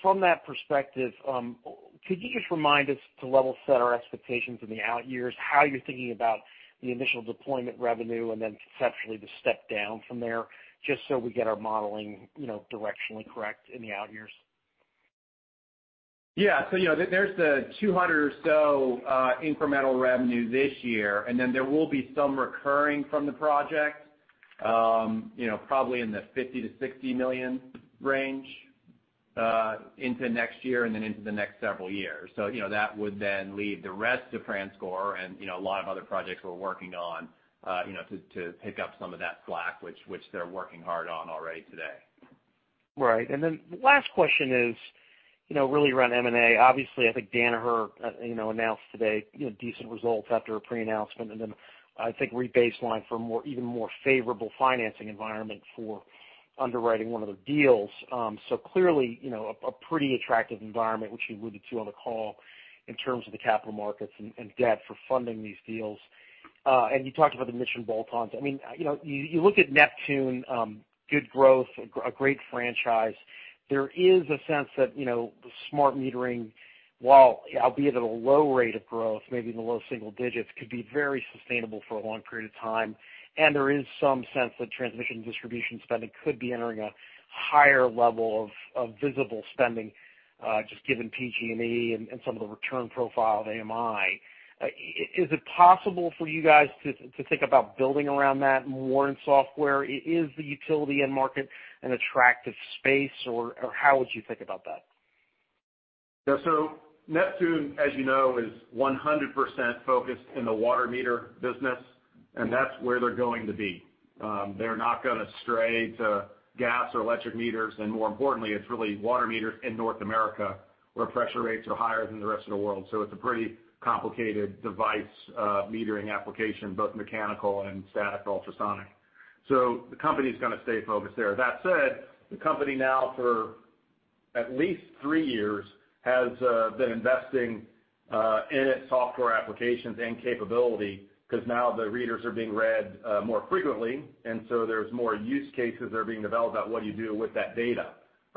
From that perspective, could you just remind us to level set our expectations in the out years, how you're thinking about the initial deployment revenue and then conceptually the step down from there, just so we get our modeling directionally correct in the out years? Yeah. There's the $200 or so incremental revenue this year, and then there will be some recurring from the project, probably in the $50 million-$60 million range, into next year and then into the next several years. That would then leave the rest of TransCore and a lot of other projects we're working on to pick up some of that slack, which they're working hard on already today. Right. Last question is, really around M&A. Obviously, I think Danaher announced today decent results after a pre-announcement. I think rebaseline for even more favorable financing environment for underwriting one of their deals. Clearly, a pretty attractive environment, which you alluded to on the call in terms of the capital markets and debt for funding these deals. You talked about the mission bolt-ons. You look at Neptune, good growth, a great franchise. There is a sense that the smart metering, while albeit at a low rate of growth, maybe in the low single digits, could be very sustainable for a long period of time. There is some sense that transmission distribution spending could be entering a higher level of visible spending, just given PG&E and some of the return profile of AMI. Is it possible for you guys to think about building around that more in software? Is the utility end market an attractive space, or how would you think about that? Yeah. Neptune, as you know, is 100% focused in the water meter business, and that's where they're going to be. They're not gonna stray to gas or electric meters, more importantly, it's really water meters in North America where pressure rates are higher than the rest of the world. It's a pretty complicated device metering application, both mechanical and static ultrasonic. The company's gonna stay focused there. That said, the company now for at least three years has been investing in its software applications and capability because now the readers are being read more frequently, there's more use cases that are being developed about what you do with that data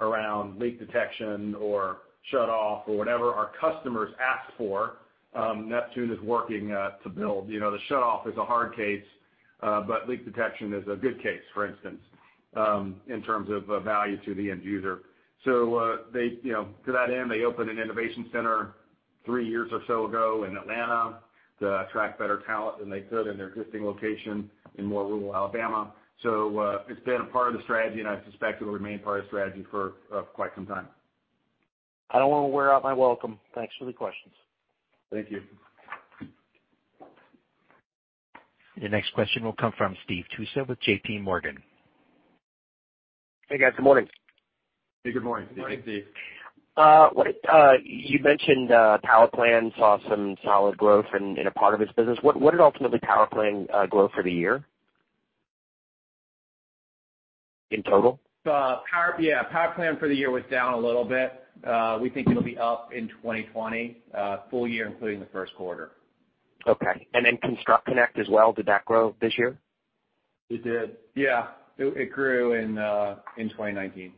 around leak detection or shut off or whatever our customers ask for, Neptune is working to build. The shut off is a hard case Leak detection is a good case, for instance, in terms of value to the end user. To that end, they opened an innovation center three years or so ago in Atlanta to attract better talent than they could in their existing location in more rural Alabama. It's been a part of the strategy, and I suspect it'll remain part of the strategy for quite some time. I don't want to wear out my welcome. Thanks for the questions. Thank you. Your next question will come from Steve Tusa with JPMorgan. Hey, guys. Good morning. Hey, good morning, Steve. Morning, Steve. You mentioned PowerPlan saw some solid growth in a part of its business. What did ultimately PowerPlan grow for the year in total? Yeah. PowerPlan for the year was down a little bit. We think it'll be up in 2020, full year, including the first quarter. Okay. ConstructConnect as well, did that grow this year? It did. Yeah. It grew in 2019.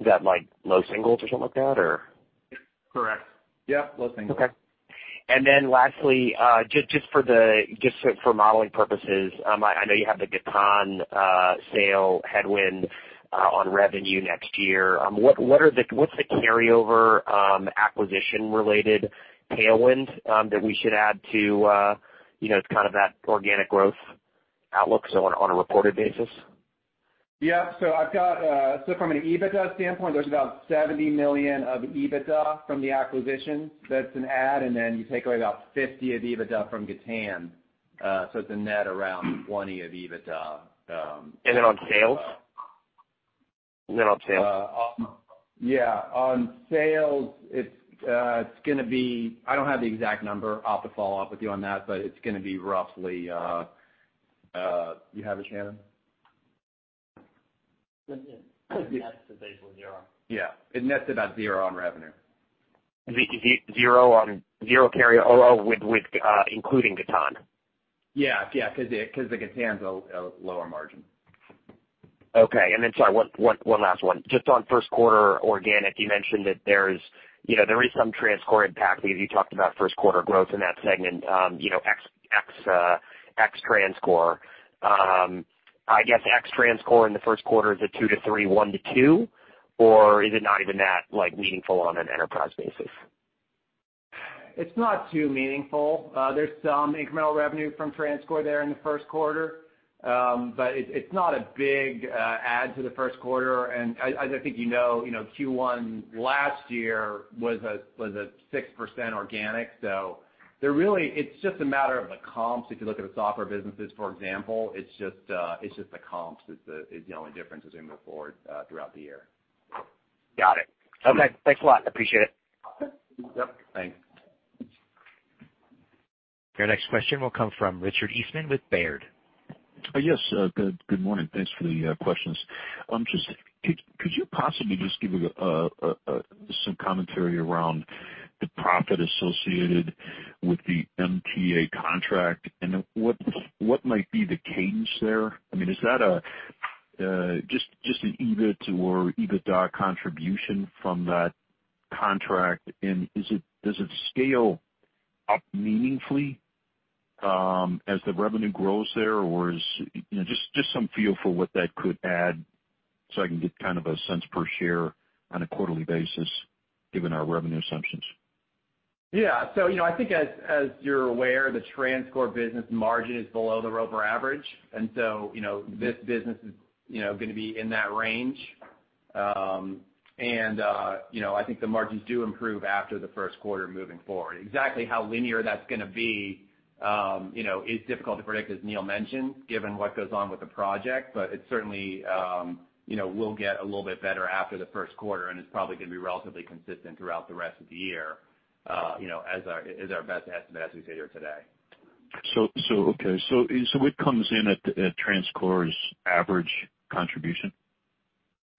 Is that low singles or something like that? Correct. Yeah, low singles. Okay. Then lastly, just for modeling purposes, I know you have the Gatan sale headwind on revenue next year. What's the carryover, acquisition-related tailwind that we should add to kind of that organic growth outlook, so on a reported basis? Yeah. From an EBITDA standpoint, there's about $70 million of EBITDA from the acquisition that's an add, and then you take away about $50 of EBITDA from Gatan. It's a net around $20 of EBITDA. On sales? Yeah. On sales, I don't have the exact number. I'll have to follow up with you on that, but it's going to be roughly Do you have it, Shannon? It nets to basically zero. Yeah. It nets about zero on revenue. Zero carry including Gatan? Yeah. Because the Gatan's a lower margin. Okay. Sorry, one last one. Just on first quarter organic, you mentioned that there is some TransCore impact, because you talked about first quarter growth in that segment ex TransCore. I guess ex TransCore in the first quarter, is it 2%-3%, 1%-2%, or is it not even that meaningful on an enterprise basis? It's not too meaningful. There's some incremental revenue from TransCore there in the first quarter. It's not a big add to the first quarter. As I think you know, Q1 last year was a 6% organic, it's just a matter of the comps. If you look at the software businesses, for example, it's just the comps is the only difference as we move forward throughout the year. Got it. Okay. Thanks a lot. I appreciate it. Yep. Thanks. Your next question will come from Richard Eastman with Baird. Yes. Good morning. Thanks for the questions. Could you possibly just give some commentary around the profit associated with the MTA contract, and what might be the cadence there? Is that just an EBIT or EBITDA contribution from that contract, and does it scale up meaningfully as the revenue grows there? Just some feel for what that could add so I can get kind of a sense per share on a quarterly basis given our revenue assumptions. Yeah. I think as you're aware, the TransCore business margin is below the Roper average, this business is going to be in that range. I think the margins do improve after the first quarter moving forward. Exactly how linear that's going to be is difficult to predict, as Neil mentioned, given what goes on with the project. It certainly will get a little bit better after the first quarter, it's probably going to be relatively consistent throughout the rest of the year is our best estimate as we sit here today. Okay. It comes in at TransCore's average contribution?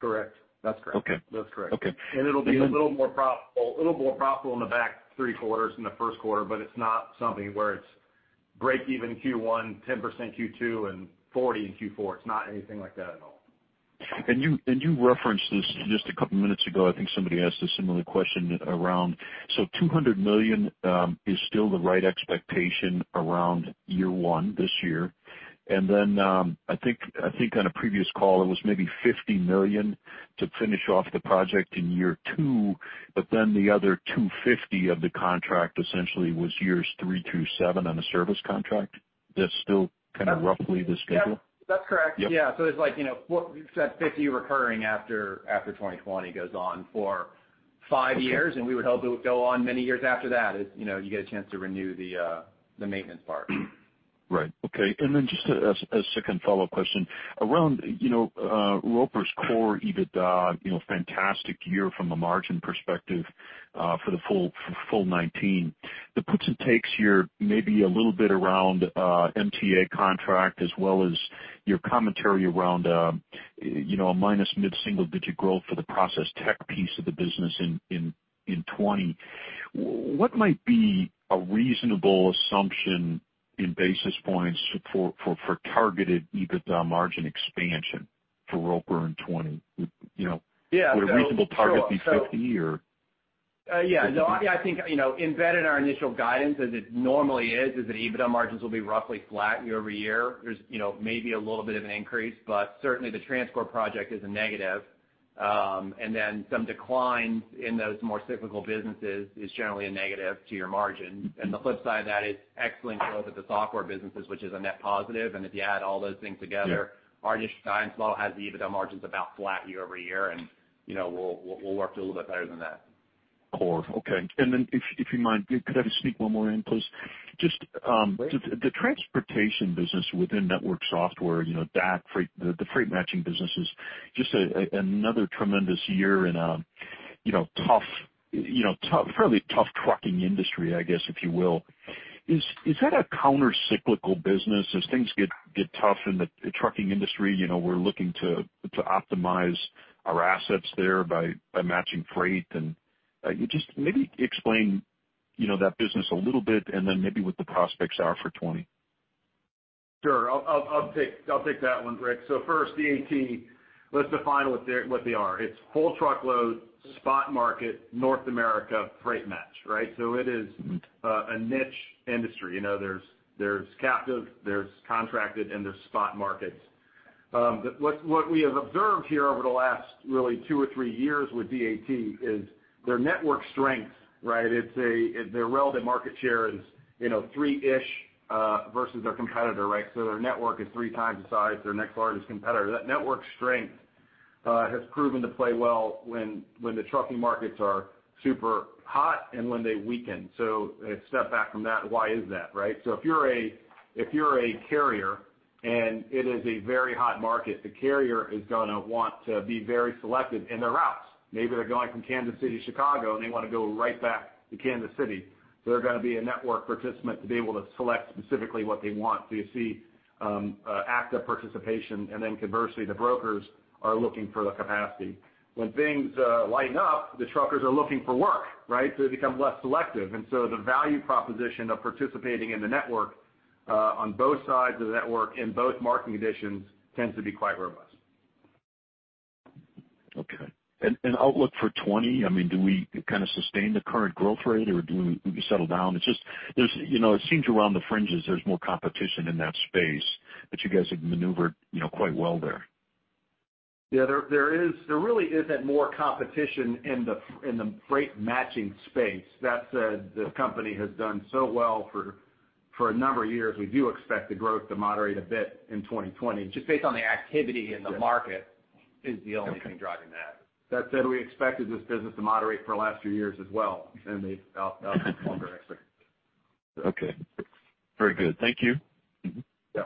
Correct. That's correct. Okay. That's correct. Okay. It'll be a little more profitable in the back three quarters than the first quarter, but it's not something where it's breakeven Q1, 10% Q2, and 40 in Q4. It's not anything like that at all. You referenced this just a couple of minutes ago. I think somebody asked a similar question around, so $200 million is still the right expectation around year one this year. Then I think on a previous call, it was maybe $50 million to finish off the project in year two, the other $250 of the contract essentially was years three through seven on a service contract. That's still kind of roughly the schedule? Yeah. That's correct. Yep. Yeah. It's like that $50 recurring after 2020 goes on for five years, and we would hope it would go on many years after that as you get a chance to renew the maintenance part. Right. Okay. Just a second follow-up question. Around Roper's core EBITDA, fantastic year from a margin perspective for full 2019. The puts and takes here may be a little bit around MTA contract as well as your commentary around a minus mid-single digit growth for the process tech piece of the business in 2020. What might be a reasonable assumption in basis points for targeted EBITDA margin expansion for Roper in 2020? Yeah. Would a reasonable target be 50 or? Yeah. I think, embedded in our initial guidance, as it normally is that EBITDA margins will be roughly flat year-over-year. There's maybe a little bit of an increase, but certainly the transport project is a negative. Some declines in those more cyclical businesses is generally a negative to your margin. The flip side of that is excellent growth at the software businesses, which is a net positive. If you add all those things together. Yeah our initial guidance model has the EBITDA margins about flat year-over-year, and we'll work to a little bit better than that. Cool. Okay. If you mind, could I just sneak one more in, please? the transportation business within network software, DAT, the freight matching businesses, just another tremendous year in a fairly tough trucking industry, I guess, if you will. Is that a counter-cyclical business? As things get tough in the trucking industry, we're looking to optimize our assets there by matching freight and Just maybe explain that business a little bit and then maybe what the prospects are for 2020? Sure. I'll take that one, Rick. First, DAT, let's define what they are. It's whole truckload, spot market, North America, freight match, right? It is a niche industry. There's captive, there's contracted, and there's spot markets. What we have observed here over the last, really, two or three years with DAT is their network strength, right? Their relative market share is three-ish, versus their competitor, right? Their network is three times the size of their next largest competitor. That network strength has proven to play well when the trucking markets are super hot and when they weaken. A step back from that, why is that, right? If you're a carrier and it is a very hot market, the carrier is going to want to be very selective in their routes. Maybe they're going from Kansas City to Chicago, and they want to go right back to Kansas City. They're going to be a network participant to be able to select specifically what they want. You see active participation, and then conversely, the brokers are looking for the capacity. When things lighten up, the truckers are looking for work, right? They become less selective. The value proposition of participating in the network, on both sides of the network in both market conditions, tends to be quite robust. Okay. Outlook for 2020, do we kind of sustain the current growth rate or do we settle down? It seems around the fringes, there's more competition in that space. You guys have maneuvered quite well there. Yeah, there really isn't more competition in the freight matching space. That said, the company has done so well for a number of years. We do expect the growth to moderate a bit in 2020. Just based on the activity in the market is the only thing driving that. That said, we expected this business to moderate for the last few years as well, and they've outperformed our expectations. Okay. Very good. Thank you. Yeah.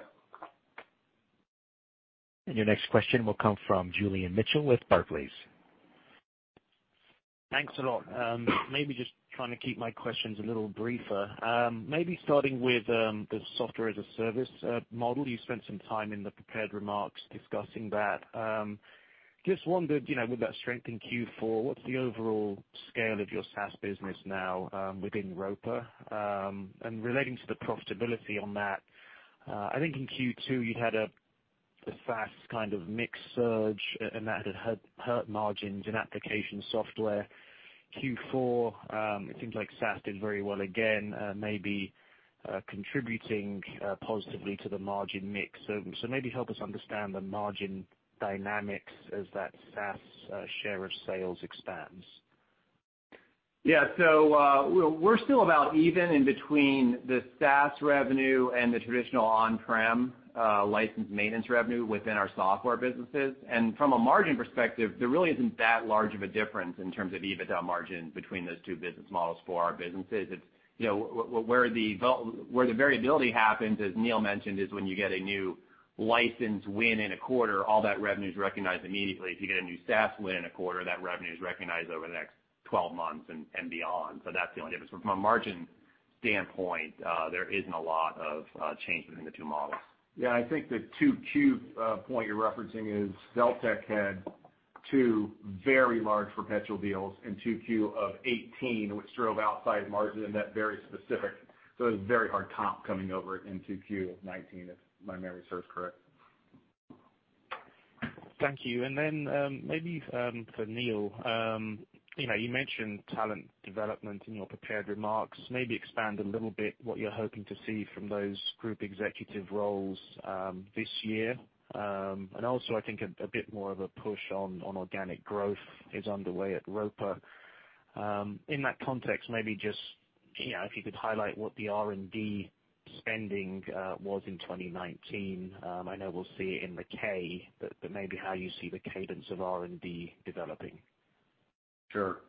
Your next question will come from Julian Mitchell with Barclays. Thanks a lot. Just trying to keep my questions a little briefer. Starting with the software as a service model. You spent some time in the prepared remarks discussing that. Just wondered, with that strength in Q4, what's the overall scale of your SaaS business now within Roper? Relating to the profitability on that, I think in Q2 you had a SaaS kind of mix surge, and that had hurt margins in application software. Q4, it seems like SaaS did very well again, maybe contributing positively to the margin mix. Help us understand the margin dynamics as that SaaS share of sales expands. We're still about even in between the SaaS revenue and the traditional on-prem license maintenance revenue within our software businesses. From a margin perspective, there really isn't that large of a difference in terms of EBITDA margin between those two business models for our businesses. Where the variability happens, as Neil mentioned, is when you get a new license win in a quarter, all that revenue's recognized immediately. If you get a new SaaS win in a quarter, that revenue is recognized over the next 12 months and beyond. That's the only difference. From a margin standpoint, there isn't a lot of change between the two models. Yeah, I think the 2Q point you're referencing is, Deltek had two very large perpetual deals in 2Q of 2018, which drove outside margin in that very specific. It was a very hard comp coming over in 2Q of 2019, if my memory serves correct. Thank you. Maybe for Neil, you mentioned talent development in your prepared remarks. Maybe expand a little bit what you're hoping to see from those group executive roles this year. I think a bit more of a push on organic growth is underway at Roper. In that context, maybe just if you could highlight what the R&D spending was in 2019. I know we'll see it in the K, but maybe how you see the cadence of R&D developing. Sure.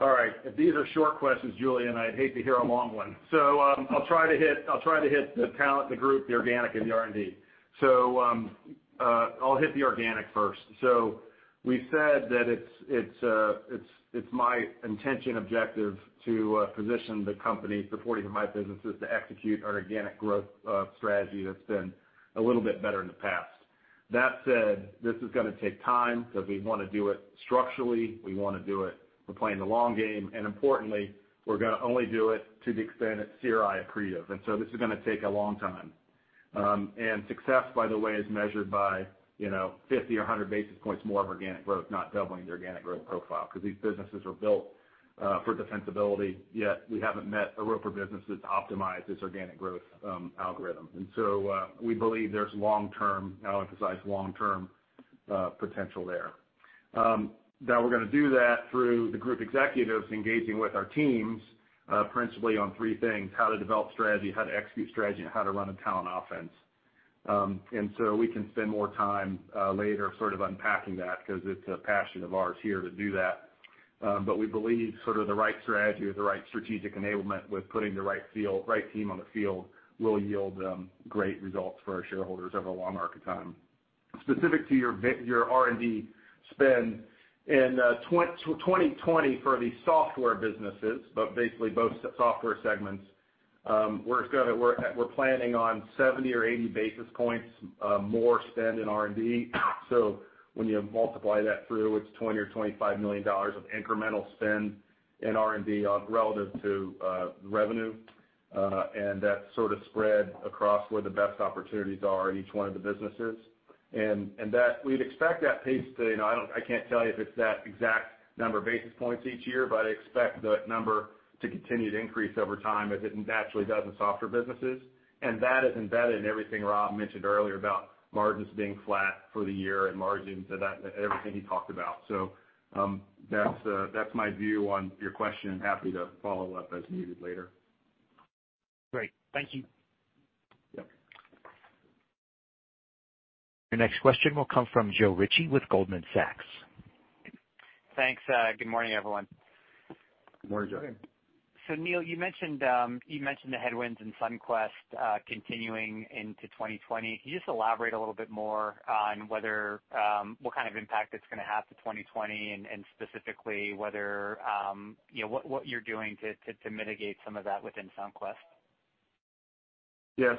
All right. If these are short questions, Julian, I'd hate to hear a long one. I'll try to hit the talent, the group, the organic, and the R&D. I'll hit the organic first. We've said that it's my intention objective to position the company, supporting my businesses, to execute our organic growth strategy that's been a little bit better in the past. That said, this is going to take time because we want to do it structurally. We want to do it, we're playing the long game, importantly, we're going to only do it to the extent it's CRI accretive. This is going to take a long time. Success, by the way, is measured by 50 or 100 basis points more of organic growth, not doubling the organic growth profile, because these businesses are built for defensibility, yet we haven't met a Roper business that's optimized this organic growth algorithm. We believe there's long-term, and I'll emphasize long-term, potential there. Now, we're going to do that through the group executives engaging with our teams, principally on three things: how to develop strategy, how to execute strategy, and how to run a talent offense. We can spend more time later sort of unpacking that, because it's a passion of ours here to do that. We believe the right strategy or the right strategic enablement with putting the right team on the field will yield great results for our shareholders over a long arc of time. Specific to your R&D spend, in 2020 for the software businesses, but basically both software segments, we're planning on 70 or 80 basis points more spend in R&D. When you multiply that through, it's $20 or $25 million of incremental spend in R&D on relative to revenue. That's sort of spread across where the best opportunities are in each one of the businesses. We'd expect that pace to I can't tell you if it's that exact number of basis points each year, but I expect the number to continue to increase over time as it naturally does in software businesses. That is embedded in everything Rob mentioned earlier about margins being flat for the year and everything he talked about. That's my view on your question, and happy to follow up as needed later. Great. Thank you. Yep. Your next question will come from Joe Ritchie with Goldman Sachs. Thanks. Good morning, everyone. Good morning, Joe. Good morning. Neil, you mentioned the headwinds in Sunquest continuing into 2020. Can you just elaborate a little bit more on what kind of impact it's going to have to 2020, and specifically, what you're doing to mitigate some of that within Sunquest? Yeah.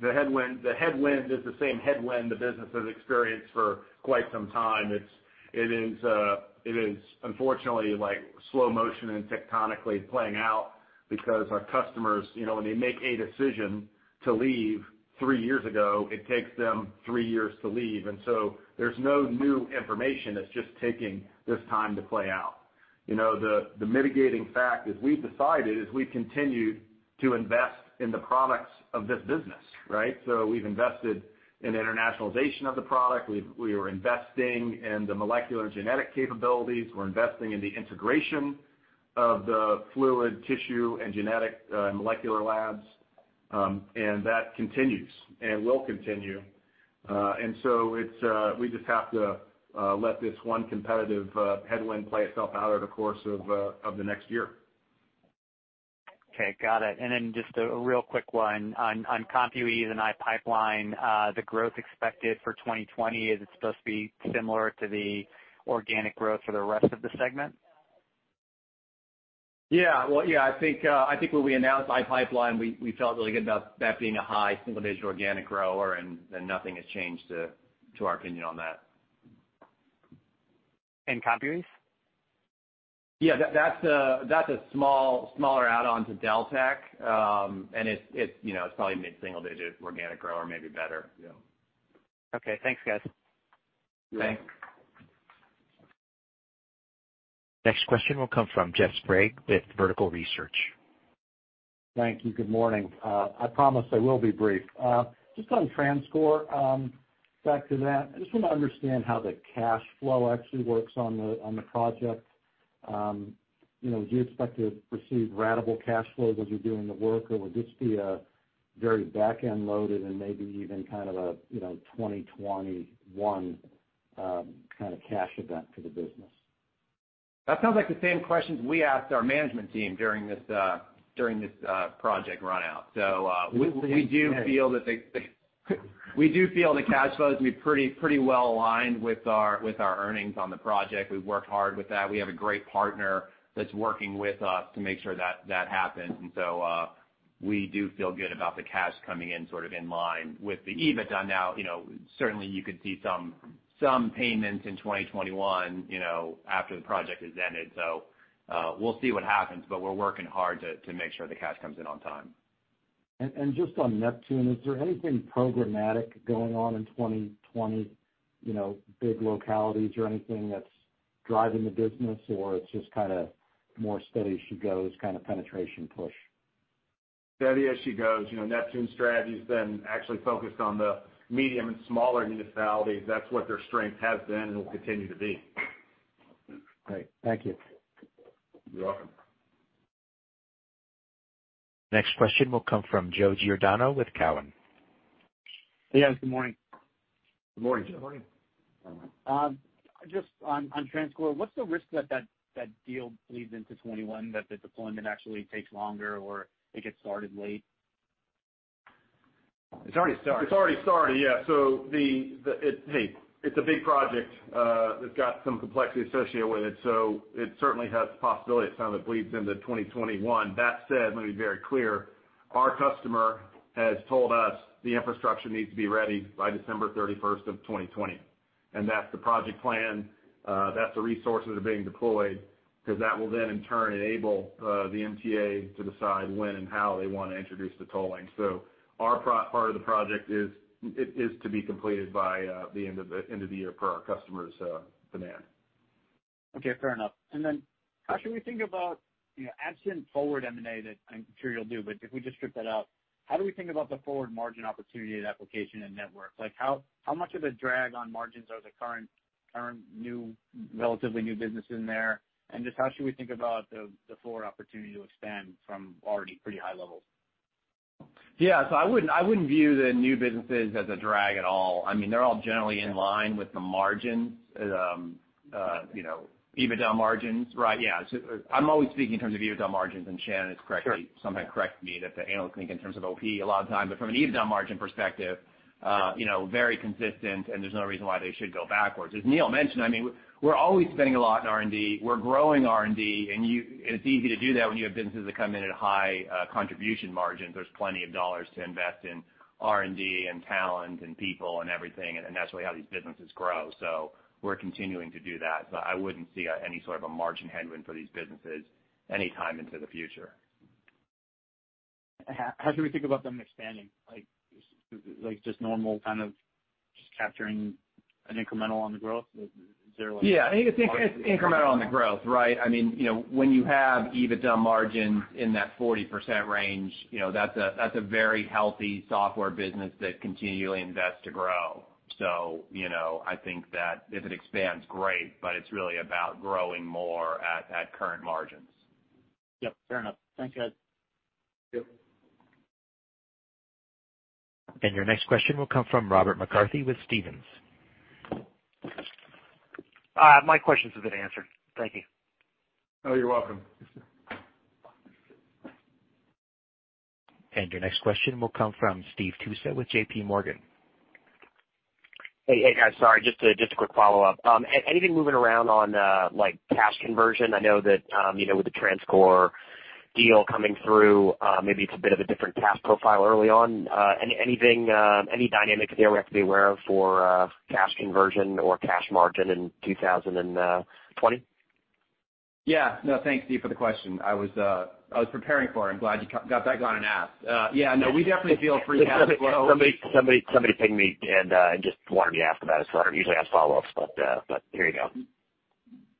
The headwind is the same headwind the business has experienced for quite some time. It is unfortunately slow motion and tectonically playing out because our customers, when they make a decision to leave three years ago, it takes them three years to leave. There's no new information that's just taking this time to play out. The mitigating fact is we've continued to invest in the products of this business, right? We've invested in internationalization of the product. We are investing in the molecular and genetic capabilities. We're investing in the integration of the fluid tissue and genetic molecular labs. That continues and will continue. We just have to let this one competitive headwind play itself out over the course of the next year. Okay. Got it. Then just a real quick one on ComputerEase and iPipeline, the growth expected for 2020, is it supposed to be similar to the organic growth for the rest of the segment? Yeah. I think when we announced iPipeline, we felt really good about that being a high single-digit organic grower, and nothing has changed to our opinion on that. ComputerEase? Yeah. That's a smaller add-on to Deltek, and it's probably mid-single digit organic grower, maybe better. Yeah. Okay. Thanks, guys. Thanks. Next question will come from Jeff Sprague with Vertical Research Partners. Thank you. Good morning. I promise I will be brief. Just on TransCore, back to that, I just want to understand how the cash flow actually works on the project. Do you expect to receive ratable cash flow as you're doing the work, or would this be very back-end loaded and maybe even kind of a 2021 kind of cash event for the business? That sounds like the same questions we asked our management team during this project run-out. We do feel the cash flows to be pretty well aligned with our earnings on the project. We've worked hard with that. We have a great partner that's working with us to make sure that happens. We do feel good about the cash coming in sort of in line with the EBITDA. Now, certainly you could see some payments in 2021 after the project has ended. We'll see what happens, but we're working hard to make sure the cash comes in on time. Just on Neptune, is there anything programmatic going on in 2020, big localities or anything that's driving the business, or it's just kind of more steady as she goes kind of penetration push? Steady as she goes. Neptune's strategy has been actually focused on the medium and smaller municipalities. That's what their strength has been and will continue to be. Great. Thank you. You're welcome. Next question will come from Joseph Giordano with Cowen. Hey, guys. Good morning. Good morning, Joe. Good morning. Just on TransCore, what's the risk that that deal bleeds into 2021, that the deployment actually takes longer, or it gets started late? It's already started. It's already started, yeah. Hey, it's a big project that's got some complexity associated with it, so it certainly has the possibility at some that it bleeds into 2021. That said, let me be very clear, our customer has told us the infrastructure needs to be ready by 31st December of 2020. That's the project plan, that's the resources that are being deployed, because that will then in turn enable the MTA to decide when and how they want to introduce the tolling. Our part of the project is to be completed by the end of the year per our customer's demand. Okay, fair enough. How should we think about absent forward M&A that I'm sure you'll do, but if we just strip that out, how do we think about the forward margin opportunity of application and network? How much of a drag on margins are the current new, relatively new business in there? How should we think about the forward opportunity to expand from already pretty high levels? Yeah. I wouldn't view the new businesses as a drag at all. They're all generally in line with the margins, EBITDA margins, right? Yeah. I'm always speaking in terms of EBITDA margins, and Shannon correctly sometimes corrects me that the analysts think in terms of OP a lot of time. From an EBITDA margin perspective, very consistent and there's no reason why they should go backwards. As Neil mentioned, we're always spending a lot in R&D. We're growing R&D, and it's easy to do that when you have businesses that come in at high contribution margins. There's plenty of dollars to invest in R&D and talent and people and everything, and that's really how these businesses grow. We're continuing to do that. I wouldn't see any sort of a margin headwind for these businesses anytime into the future. How should we think about them expanding? Like just normal kind of just capturing an incremental on the growth? Is there like Yeah, I think it's incremental on the growth, right? When you have EBITDA margins in that 40% range, that's a very healthy software business that continually invests to grow. I think that if it expands, great, but it's really about growing more at current margins. Yep, fair enough. Thanks, guys. Thank you. Your next question will come from Robert McCarthy with Stephens. My questions have been answered. Thank you. Oh, you're welcome. Your next question will come from Steve Tusa with JPMorgan. Hey, guys. Sorry, just a quick follow-up. Anything moving around on cash conversion? I know that with the TransCore deal coming through, maybe it's a bit of a different cash profile early on. Any dynamics there we have to be aware of for cash conversion or cash margin in 2020? Yeah. No, thanks, Steve, for the question. I was preparing for it. I'm glad you got that going and asked. Yeah, no, we definitely feel free cash flow. Somebody pinged me and just wanted me to ask about it. I don't usually ask follow-ups, but here you go.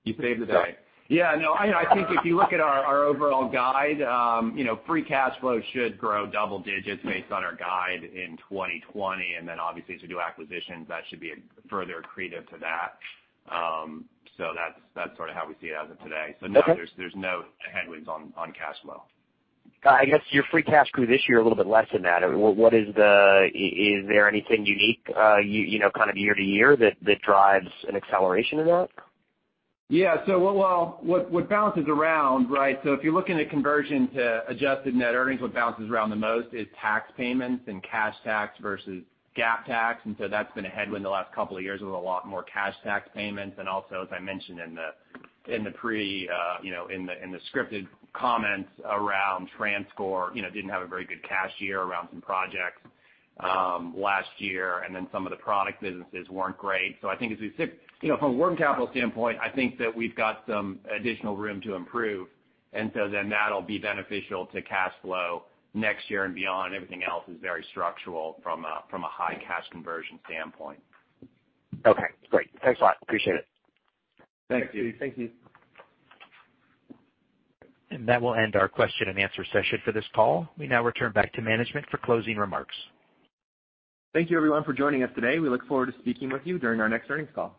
You saved the day. Yeah, no, I think if you look at our overall guide, free cash flow should grow double digits based on our guide in 2020. Obviously, as we do acquisitions, that should be further accretive to that. That's how we see it as of today. Okay. No, there's no headwinds on cash flow. I guess your free cash grew this year a little bit less than that. Is there anything unique kind of year-to-year that drives an acceleration in that? Yeah. What bounces around, right. If you're looking at conversion to adjusted net earnings, what bounces around the most is tax payments and cash tax versus GAAP tax. That's been a headwind the last couple of years with a lot more cash tax payments. As I mentioned in the scripted comments around TransCore, didn't have a very good cash year around some projects last year. Some of the product businesses weren't great. I think as we sit, from a working capital standpoint, I think that we've got some additional room to improve. That'll be beneficial to cash flow next year and beyond. Everything else is very structural from a high cash conversion standpoint. Okay, great. Thanks a lot. Appreciate it. Thanks, Steve. Thank you. That will end our question and answer session for this call. We now return back to management for closing remarks. Thank you everyone for joining us today. We look forward to speaking with you during our next earnings call.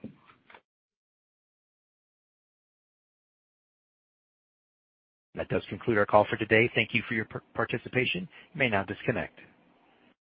That does conclude our call for today. Thank you for your participation. You may now disconnect.